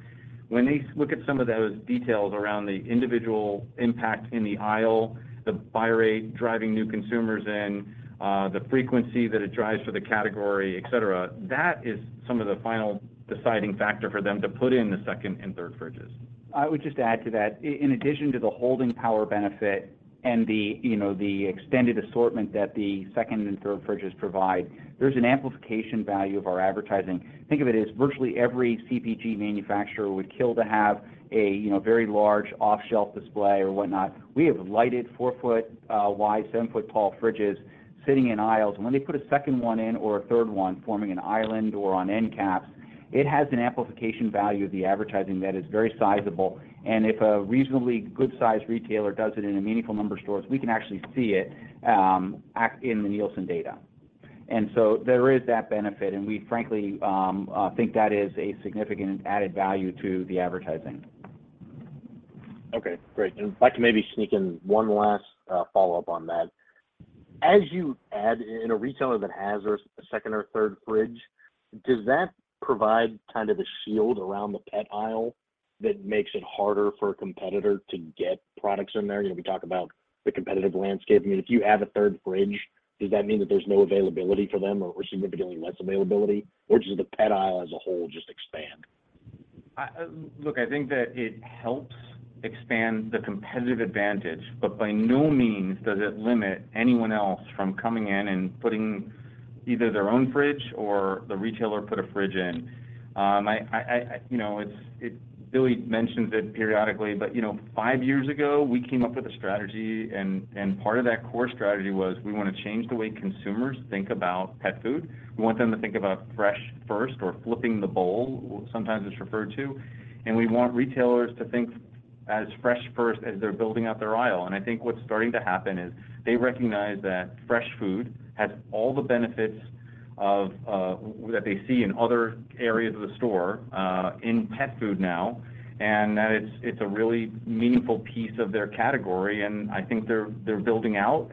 when they look at some of those details around the individual impact in the aisle, the buy rate, driving new consumers in, the frequency that it drives for the category, et cetera, that is some of the final deciding factor for them to put in the second and third fridges. I would just add to that, in addition to the holding power benefit and the, you know, the extended assortment that the second and third fridges provide, there's an amplification value of our advertising. Think of it as virtually every CPG manufacturer would kill to have a, you know, very large off-shelf display or whatnot. We have lighted four-foot wide, seven-foot-tall fridges sitting in aisles, and when they put a second one in or a third one forming an island or on end caps, it has an amplification value of the advertising that is very sizable, and if a reasonably good-sized retailer does it in a meaningful number of stores, we can actually see it act in the Nielsen data. There is that benefit, and we frankly think that is a significant added value to the advertising. Okay, great. If I could maybe sneak in one last follow-up on that. As you add in a retailer that has a second or third fridge, does that provide kind of a shield around the pet aisle that makes it harder for a competitor to get products in there? You know, we talk about the competitive landscape. I mean, if you add a third fridge, does that mean that there's no availability for them or significantly less availability, or does the pet aisle as a whole just expand? Look, I think that it helps expand the competitive advantage, but by no means does it limit anyone else from coming in and putting either their own fridge or the retailer put a fridge in. you know, Billy mentions it periodically, but, you know, five years ago, we came up with a strategy and part of that core strategy was we wanna change the way consumers think about pet food. We want them to think about fresh first or flip-the-bowl, sometimes it's referred to, and we want retailers to think as fresh first as they're building out their aisle. I think what's starting to happen is they recognize that fresh food has all the benefits of that they see in other areas of the store, in pet food now, and that it's a really meaningful piece of their category, and I think they're building out.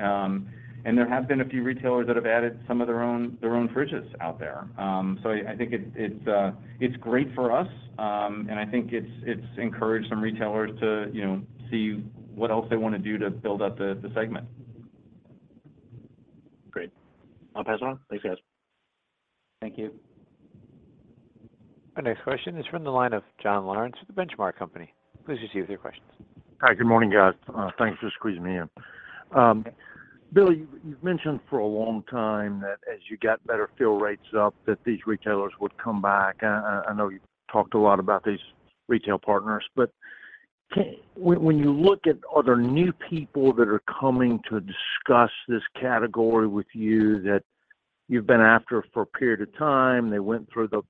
There have been a few retailers that have added some of their own fridges out there. I think it's great for us, and I think it's encouraged some retailers to, you know, see what else they wanna do to build up the segment. Great. I'll pass it on. Thanks, guys. Thank you. Our next question is from the line of John Lawrence of The Benchmark Company. Please proceed with your questions. Hi. Good morning, guys. Thanks for squeezing me in. Billy, you've mentioned for a long time that as you got better fill rates up, that these retailers would come back. I know you've talked a lot about these retail partners, but when you look at other new people that are coming to discuss this category with you that you've been after for a period of time, they went through the,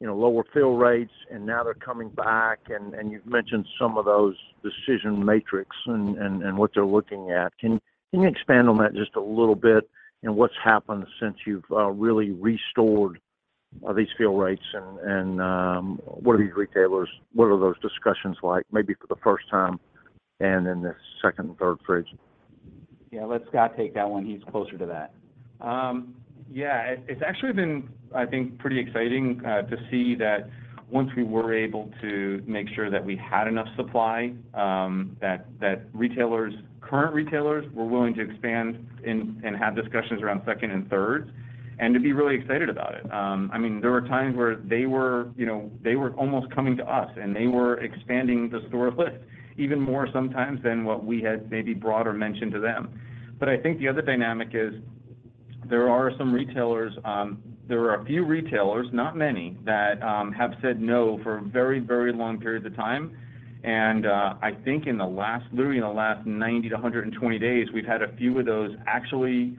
you know, lower fill rates, and now they're coming back and you've mentioned some of those decision matrix and what they're looking at. Can you expand on that just a little bit and what's happened since you've really restored these fill rates and what are these retailers, what are those discussions like maybe for the first time and in the second and third fridge? Yeah, let Scott take that one. He's closer to that. Yeah. It's actually been, I think, pretty exciting to see that once we were able to make sure that we had enough supply that retailers, current retailers were willing to expand and have discussions around second and third, and to be really excited about it. I mean, there were times where they were, you know, they were almost coming to us, and they were expanding the store list even more sometimes than what we had maybe brought or mentioned to them. I think the other dynamic is there are some retailers, there are a few retailers, not many, that have said no for very, very long periods of time, and I think in the last, literally in the last 90 days-120 days, we've had a few of those actually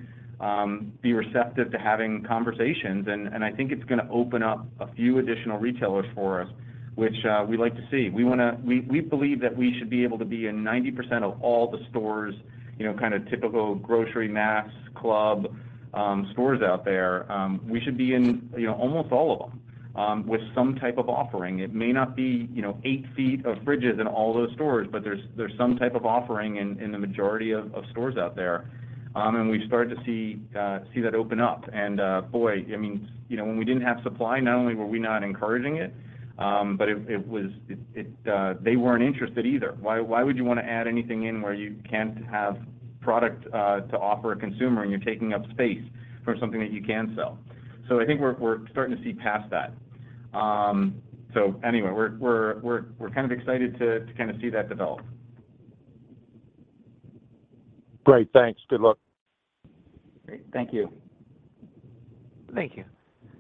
be receptive to having conversations. I think it's gonna open up a few additional retailers for us, which we'd like to see. We want to. We believe that we should be able to be in 90% of all the stores, you know, kinda typical grocery, mass, club stores out there. We should be in, you know, almost all of them with some type of offering. It may not be, you know, 8 feet of fridges in all those stores, but there's some type of offering in the majority of stores out there. We've started to see that open up. Boy, I mean, you know, when we didn't have supply, not only were we not encouraging it, but it was, they weren't interested either. Why would you wanna add anything in where you can't have product to offer a consumer and you're taking up space for something that you can sell? I think we're starting to see past that. Anyway, we're kind of excited to kinda see that develop. Great. Thanks. Good luck. Great. Thank you. Thank you.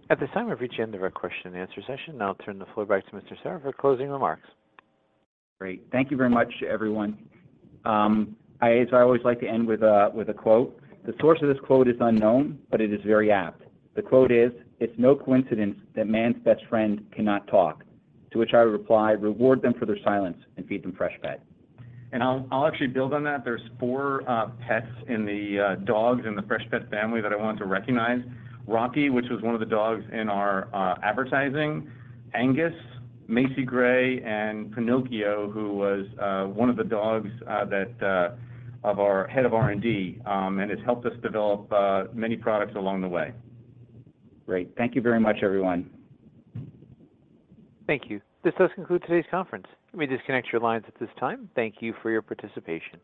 At this time, we've reached the end of our question and answer session. I'll turn the floor back to Mr. Cyr for closing remarks. Great. Thank you very much, everyone. I, as I always like to end with a, with a quote. The source of this quote is unknown, but it is very apt. The quote is, "It's no coincidence that man's best friend cannot talk," to which I reply, "Reward them for their silence and feed them Freshpet. I'll actually build on that. There's four pets in the dogs in the Freshpet family that I wanted to recognize. Rocky, which was one of the dogs in our advertising, Angus, Macy Gray, and Pinocchio, who was one of the dogs that of our head of R&D and has helped us develop many products along the way. Great. Thank you very much, everyone. Thank you. This does conclude today's conference. You may disconnect your lines at this time. Thank you for your participation.